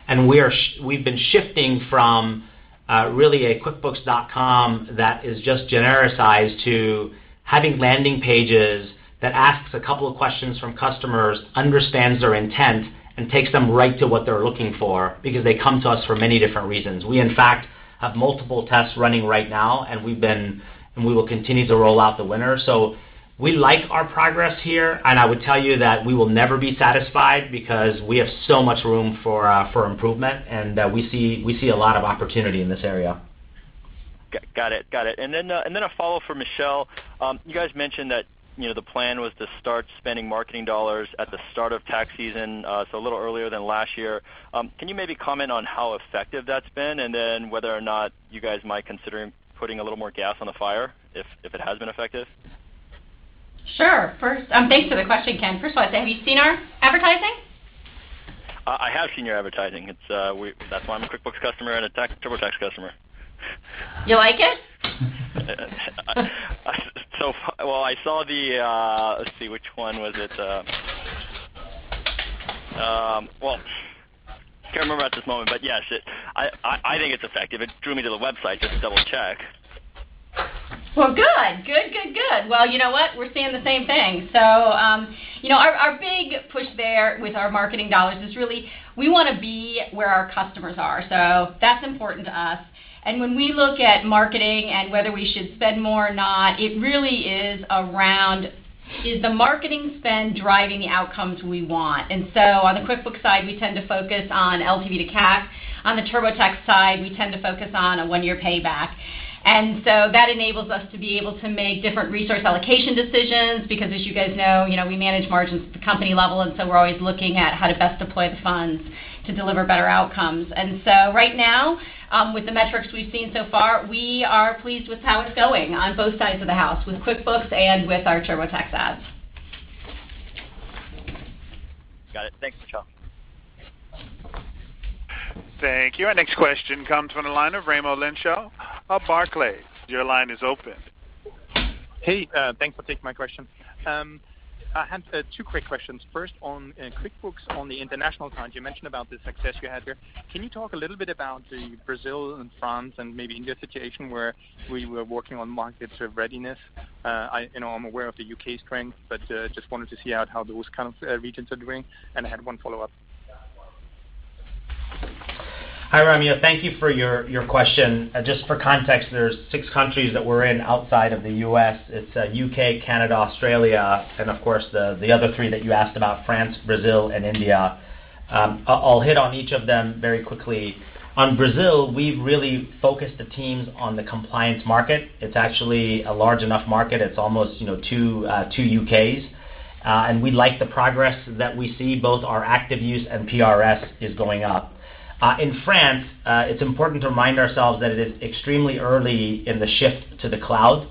We've been shifting from really a quickbooks.com that is just genericized to having landing pages that asks a couple of questions from customers, understands their intent, and takes them right to what they're looking for because they come to us for many different reasons. We, in fact, have multiple tests running right now, and we will continue to roll out the winner. We like our progress here, and I would tell you that we will never be satisfied because we have so much room for improvement, and that we see a lot of opportunity in this area. Got it. A follow for Michelle. You guys mentioned that the plan was to start spending marketing dollars at the start of tax season, so a little earlier than last year. Can you maybe comment on how effective that's been and then whether or not you guys might consider putting a little more gas on the fire if it has been effective? Sure. Thanks for the question, Ken. First of all, have you seen our advertising? I have seen your advertising. That's why I'm a QuickBooks customer and a TurboTax customer. You like it? Well, I saw the-- let's see, which one was it? Well, can't remember at this moment, but yes, I think it's effective. It drew me to the website just to double check. Well, good. Well, you know what? We're seeing the same thing. Our big push there with our marketing dollars is really we want to be where our customers are. That's important to us. When we look at marketing and whether we should spend more or not, it really is around, is the marketing spend driving the outcomes we want? On the QuickBooks side, we tend to focus on LTV to CAC. On the TurboTax side, we tend to focus on a one-year payback. That enables us to be able to make different resource allocation decisions because as you guys know, we manage margins at the company level, we're always looking at how to best deploy the funds to deliver better outcomes. Right now, with the metrics we've seen so far, we are pleased with how it's going on both sides of the house, with QuickBooks and with our TurboTax ads. Got it. Thanks, Michelle. Thank you. Our next question comes from the line of Raimo Lenschow of Barclays. Your line is open. Hey, thanks for taking my question. I have two quick questions. First, on QuickBooks on the international front, you mentioned about the success you had there. Can you talk a little bit about the Brazil and France and maybe India situation, where we were working on market sort of readiness? I'm aware of the U.K. strength, but just wanted to see out how those kind of regions are doing. I had one follow-up. Hi, Raimo. Thank you for your question. Just for context, there's six countries that we're in outside of the U.S. It's U.K., Canada, Australia, and of course, the other three that you asked about, France, Brazil and India. I'll hit on each of them very quickly. On Brazil, we've really focused the teams on the compliance market. It's actually a large enough market. It's almost two U.K.s. We like the progress that we see, both our active use and PRS is going up. In France, it's important to remind ourselves that it is extremely early in the shift to the cloud.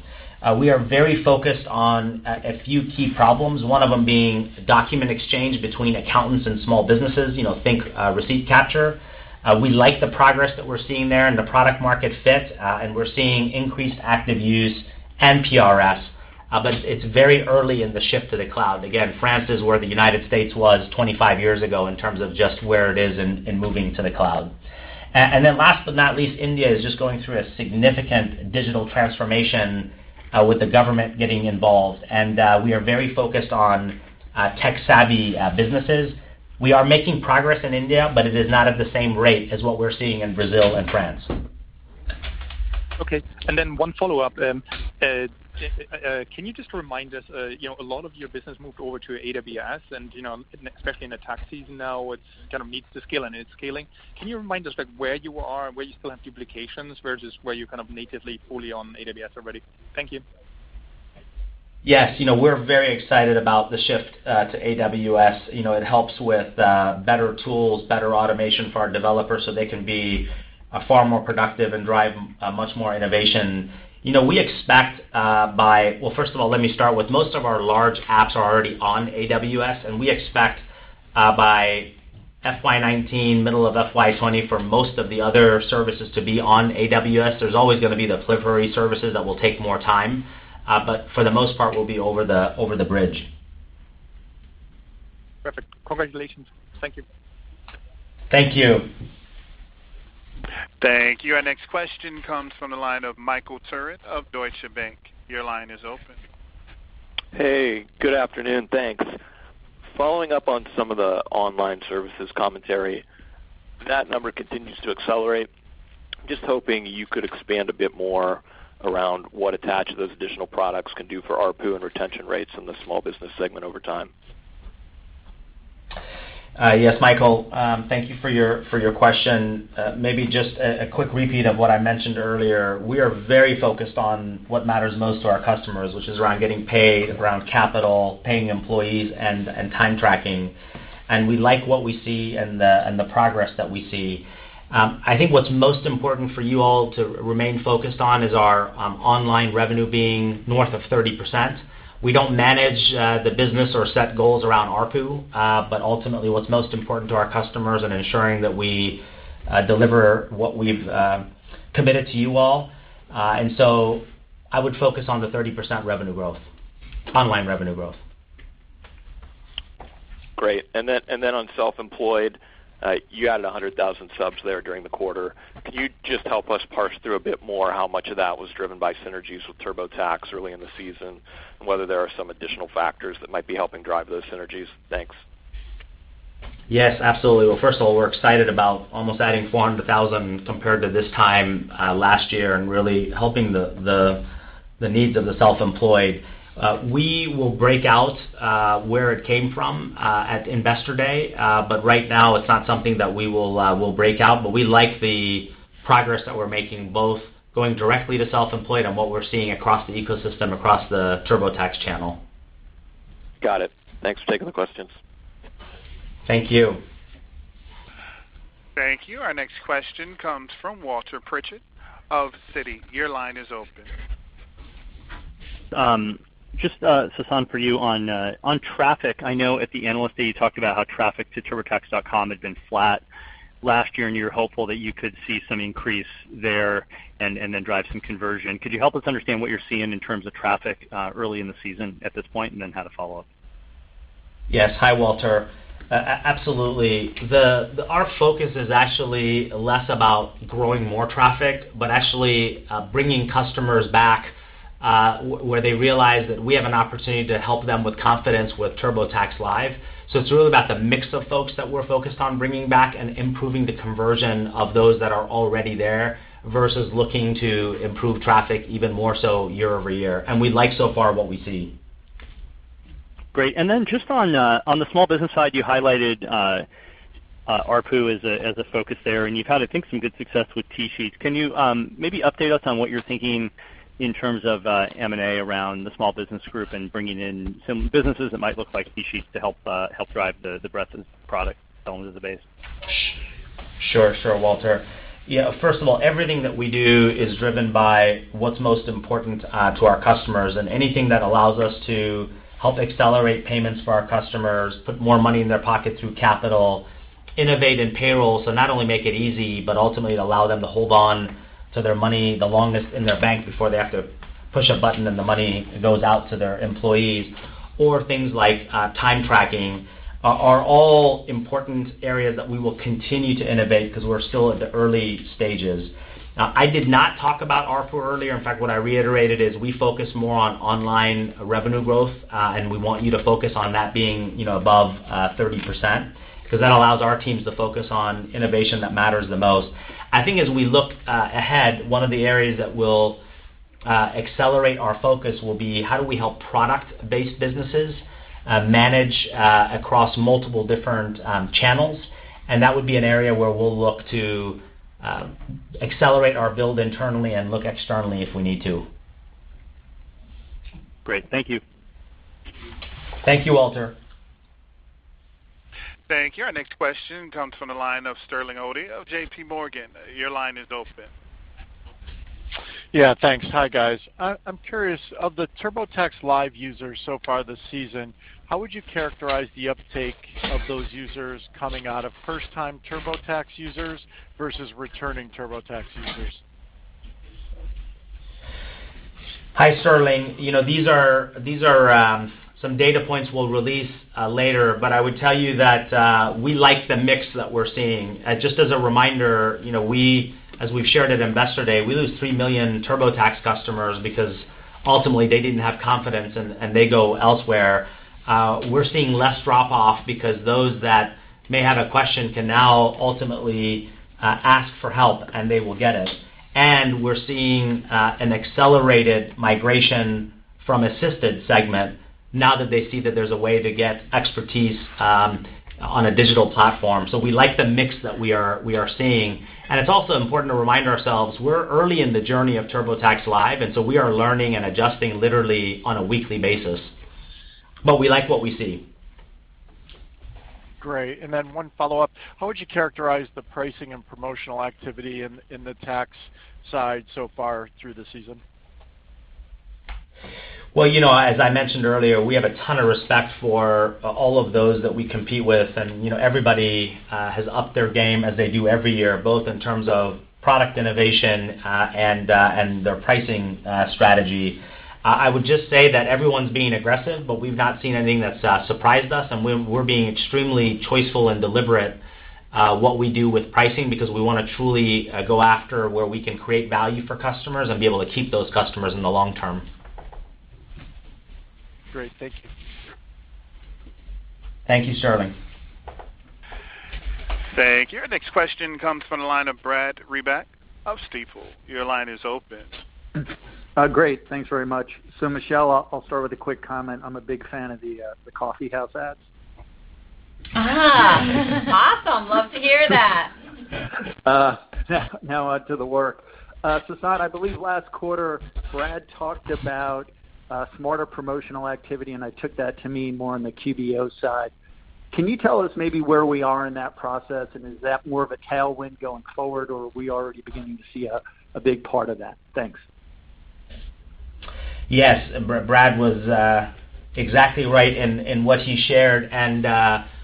We are very focused on a few key problems, one of them being document exchange between accountants and small businesses, think receipt capture. We like the progress that we're seeing there, and the product market fit. We're seeing increased active use and PRS. It's very early in the shift to the cloud. Again, France is where the U.S. was 25 years ago in terms of just where it is in moving to the cloud. Last but not least, India is just going through a significant digital transformation, with the government getting involved. We are very focused on tech-savvy businesses. We are making progress in India, but it is not at the same rate as what we're seeing in Brazil and France. Okay. One follow-up. Can you just remind us, a lot of your business moved over to AWS, and especially in the tax season now, it kind of meets the scale and it's scaling. Can you remind us where you are and where you still have duplications versus where you kind of natively fully on AWS already? Thank you. Yes. We're very excited about the shift to AWS. It helps with better tools, better automation for our developers so they can be far more productive and drive much more innovation. First of all, let me start with most of our large apps are already on AWS, and we expect by FY 2019, middle of FY 2020, for most of the other services to be on AWS. There's always going to be the periphery services that will take more time. For the most part, we'll be over the bridge. Perfect. Congratulations. Thank you. Thank you. Thank you. Our next question comes from the line of Michael Turrin of Deutsche Bank. Your line is open. Hey, good afternoon. Thanks. Following up on some of the online services commentary, that number continues to accelerate. Just hoping you could expand a bit more around what attach those additional products can do for ARPU and retention rates in the small business segment over time. Yes, Michael, thank you for your question. Maybe just a quick repeat of what I mentioned earlier. We are very focused on what matters most to our customers, which is around getting paid, around capital, paying employees, and time tracking. We like what we see and the progress that we see. I think what's most important for you all to remain focused on is our online revenue being north of 30%. We don't manage the business or set goals around ARPU. Ultimately, what's most important to our customers in ensuring that we deliver what we've committed to you all. I would focus on the 30% online revenue growth. Great. On Self-Employed, you added 100,000 subs there during the quarter. Can you just help us parse through a bit more how much of that was driven by synergies with TurboTax early in the season, and whether there are some additional factors that might be helping drive those synergies? Thanks. Yes, absolutely. Well, first of all, we're excited about almost adding 400,000 compared to this time last year and really helping the needs of the Self-Employed. We will break out where it came from at Investor Day. Right now, it's not something that we'll break out. We like the progress that we're making, both going directly to Self-Employed and what we're seeing across the ecosystem, across the TurboTax channel. Got it. Thanks for taking the questions. Thank you. Thank you. Our next question comes from Walter Pritchard of Citi. Your line is open. Just, Sasan, for you on traffic. I know at the Analyst Day you talked about how traffic to turbotax.com had been flat last year, and you were hopeful that you could see some increase there and then drive some conversion. Could you help us understand what you're seeing in terms of traffic early in the season at this point, and then I had a follow-up. Yes. Hi, Walter. Absolutely. Our focus is actually less about growing more traffic, but actually bringing customers back, where they realize that we have an opportunity to help them with confidence with TurboTax Live. So it's really about the mix of folks that we're focused on bringing back and improving the conversion of those that are already there, versus looking to improve traffic even more so year-over-year. We like so far what we see. Great. Then just on the small business side, you highlighted ARPU as a focus there, and you've had, I think, some good success with TSheets. Can you maybe update us on what you're thinking in terms of M&A around the small business group and bringing in some businesses that might look like TSheets to help drive the breadth of product elements of the base? Sure, Walter. First of all, everything that we do is driven by what's most important to our customers. Anything that allows us to help accelerate payments for our customers, put more money in their pocket through capital, innovate in payroll, not only make it easy, but ultimately allow them to hold on to their money the longest in their bank before they have to push a button and the money goes out to their employees, or things like time tracking, are all important areas that we will continue to innovate because we're still at the early stages. I did not talk about ARPU earlier. In fact, what I reiterated is we focus more on online revenue growth. We want you to focus on that being above 30% because that allows our teams to focus on innovation that matters the most. I think as we look ahead, one of the areas that will accelerate our focus will be how do we help product-based businesses manage across multiple different channels? That would be an area where we'll look to accelerate our build internally and look externally if we need to. Great. Thank you. Thank you, Walter. Thank you. Our next question comes from the line of Sterling Auty of J.P. Morgan. Your line is open. Yeah, thanks. Hi, guys. I'm curious, of the TurboTax Live users so far this season, how would you characterize the uptake of those users coming out of first-time TurboTax users versus returning TurboTax users? Hi, Sterling. These are some data points we'll release later, but I would tell you that we like the mix that we're seeing. Just as a reminder, as we've shared at Investor Day, we lose 3 million TurboTax customers because ultimately they didn't have confidence and they go elsewhere. We're seeing less drop-off because those that may have a question can now ultimately ask for help, and they will get it. We're seeing an accelerated migration from assisted segment now that they see that there's a way to get expertise on a digital platform. We like the mix that we are seeing. It's also important to remind ourselves, we're early in the journey of TurboTax Live, and so we are learning and adjusting literally on a weekly basis. We like what we see. Great. Then one follow-up. How would you characterize the pricing and promotional activity in the tax side so far through the season? Well, as I mentioned earlier, we have a ton of respect for all of those that we compete with, and everybody has upped their game as they do every year, both in terms of product innovation and their pricing strategy. I would just say that everyone's being aggressive, but we've not seen anything that's surprised us, and we're being extremely choiceful and deliberate what we do with pricing because we want to truly go after where we can create value for customers and be able to keep those customers in the long term. Great. Thank you. Thank you, Sterling. Thank you. Our next question comes from the line of Brad Reback of Stifel. Your line is open. Great. Thanks very much. Michelle, I'll start with a quick comment. I'm a big fan of the coffee house ads. Awesome. Love to hear that. Now on to the work. Sasan, I believe last quarter, Brad talked about smarter promotional activity, and I took that to mean more on the QBO side. Can you tell us maybe where we are in that process, and is that more of a tailwind going forward, or are we already beginning to see a big part of that? Thanks. Yes. Brad was exactly right in what he shared.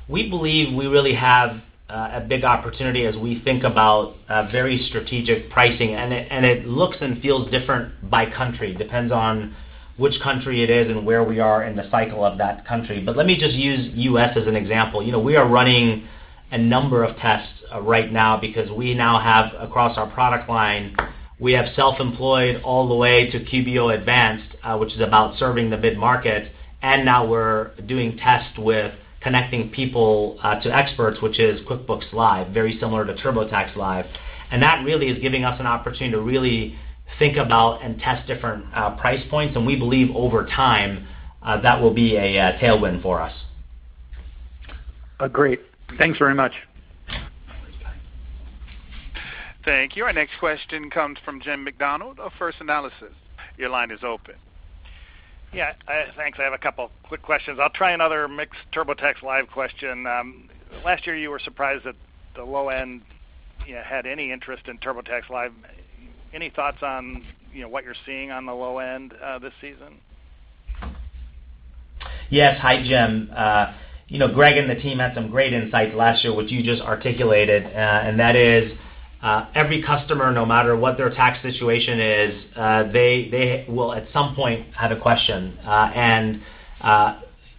We believe we really have a big opportunity as we think about very strategic pricing, and it looks and feels different by country. Depends on which country it is and where we are in the cycle of that country. Let me just use U.S. as an example. We are running a number of tests right now because we now have, across our product line, we have Self-Employed all the way to QBO Advanced, which is about serving the mid-market, and now we're doing tests with connecting people to experts, which is QuickBooks Live, very similar to TurboTax Live. That really is giving us an opportunity to really think about and test different price points, and we believe over time, that will be a tailwind for us. Great. Thanks very much. Thank you. Our next question comes from Jim Macdonald of First Analysis. Your line is open. Yeah. Thanks. I have a couple of quick questions. I'll try another mixed TurboTax Live question. Last year, you were surprised that the low end had any interest in TurboTax Live. Any thoughts on what you're seeing on the low end this season? Yes. Hi, Jim. Greg and the team had some great insights last year, which you just articulated. That is, every customer, no matter what their tax situation is, they will at some point have a question.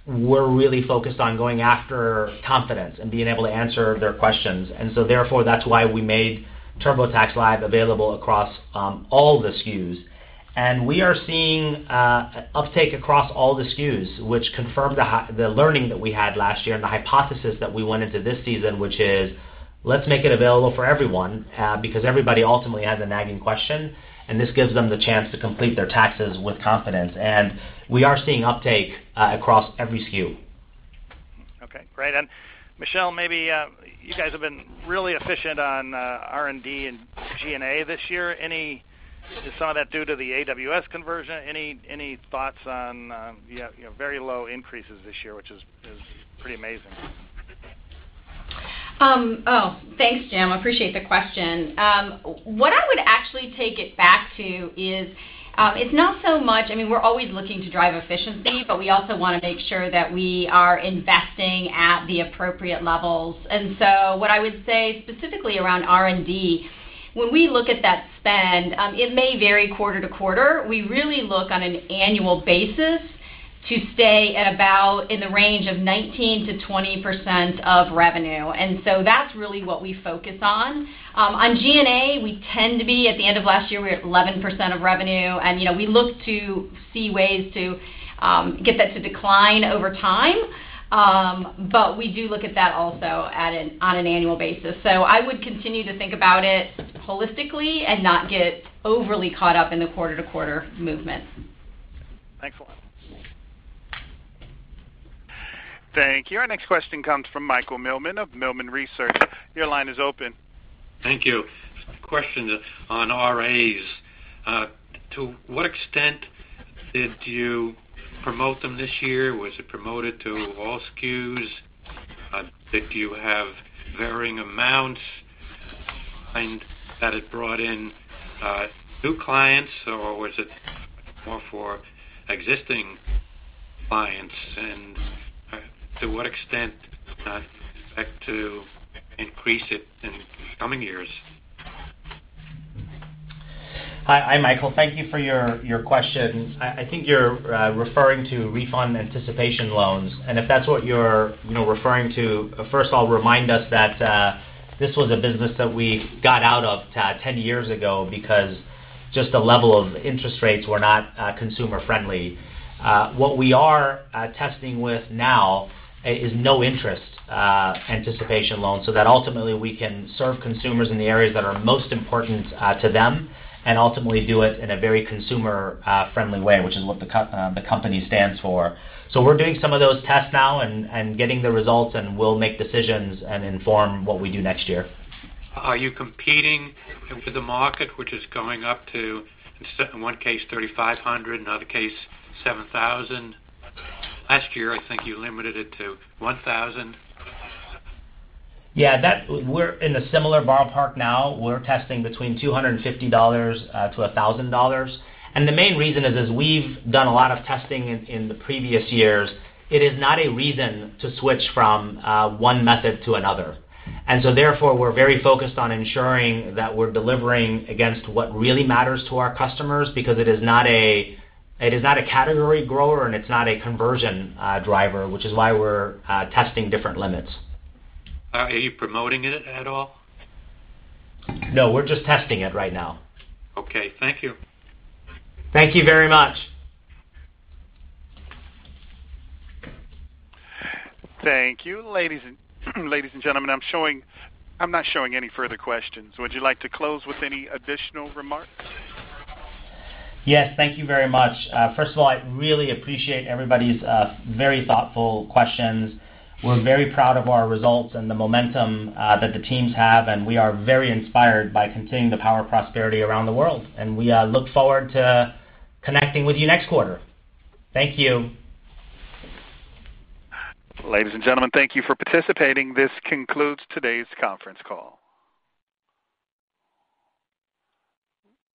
We're really focused on going after confidence and being able to answer their questions. Therefore, that's why we made TurboTax Live available across all the SKUs. We are seeing uptake across all the SKUs, which confirmed the learning that we had last year and the hypothesis that we went into this season, which is, let's make it available for everyone, because everybody ultimately has a nagging question, and this gives them the chance to complete their taxes with confidence. We are seeing uptake across every SKU. Okay, great. Michelle, maybe you guys have been really efficient on R&D and G&A this year. You saw that due to the AWS conversion. Any thoughts on very low increases this year, which is pretty amazing? Oh, thanks, Jim. Appreciate the question. What I would actually take it back to is, it's not so much, I mean, we're always looking to drive efficiency, but we also want to make sure that we are investing at the appropriate levels. What I would say, specifically around R&D, when we look at that spend, it may vary quarter-to-quarter. We really look on an annual basis to stay at about in the range of 19%-20% of revenue. That's really what we focus on. On G&A, we tend to be at the end of last year, we were at 11% of revenue, and we look to see ways to get that to decline over time. We do look at that also on an annual basis. I would continue to think about it holistically and not get overly caught up in the quarter-to-quarter movement. Thanks a lot. Thank you. Our next question comes from Michael Millman of Millman Research. Your line is open. Thank you. Question on RALs. To what extent did you promote them this year? Was it promoted to all SKUs? Did you have varying amounts, and that it brought in new clients, or was it more for existing clients? To what extent do you expect to increase it in the coming years? Hi, Michael. Thank you for your question. I think you're referring to refund anticipation loans. If that's what you're referring to, first I'll remind us that this was a business that we got out of 10 years ago because just the level of interest rates were not consumer-friendly. What we are testing with now is no-interest anticipation loans so that ultimately we can serve consumers in the areas that are most important to them and ultimately do it in a very consumer-friendly way, which is what the company stands for. We're doing some of those tests now and getting the results, and we'll make decisions and inform what we do next year. Are you competing with the market, which is going up to, in one case, $3,500, another case $7,000? Last year, I think you limited it to $1,000. Yeah. We're in a similar ballpark now. We're testing between $250-$1,000. The main reason is we've done a lot of testing in the previous years. It is not a reason to switch from one method to another. Therefore, we're very focused on ensuring that we're delivering against what really matters to our customers because it is not a category grower and it's not a conversion driver, which is why we're testing different limits. Are you promoting it at all? No, we're just testing it right now. Okay. Thank you. Thank you very much. Thank you. Ladies and gentlemen, I'm not showing any further questions. Would you like to close with any additional remarks? Yes, thank you very much. First of all, I really appreciate everybody's very thoughtful questions. We're very proud of our results and the momentum that the teams have, and we are very inspired by continuing the power of prosperity around the world, and we look forward to connecting with you next quarter. Thank you. Ladies and gentlemen, thank you for participating. This concludes today's conference call.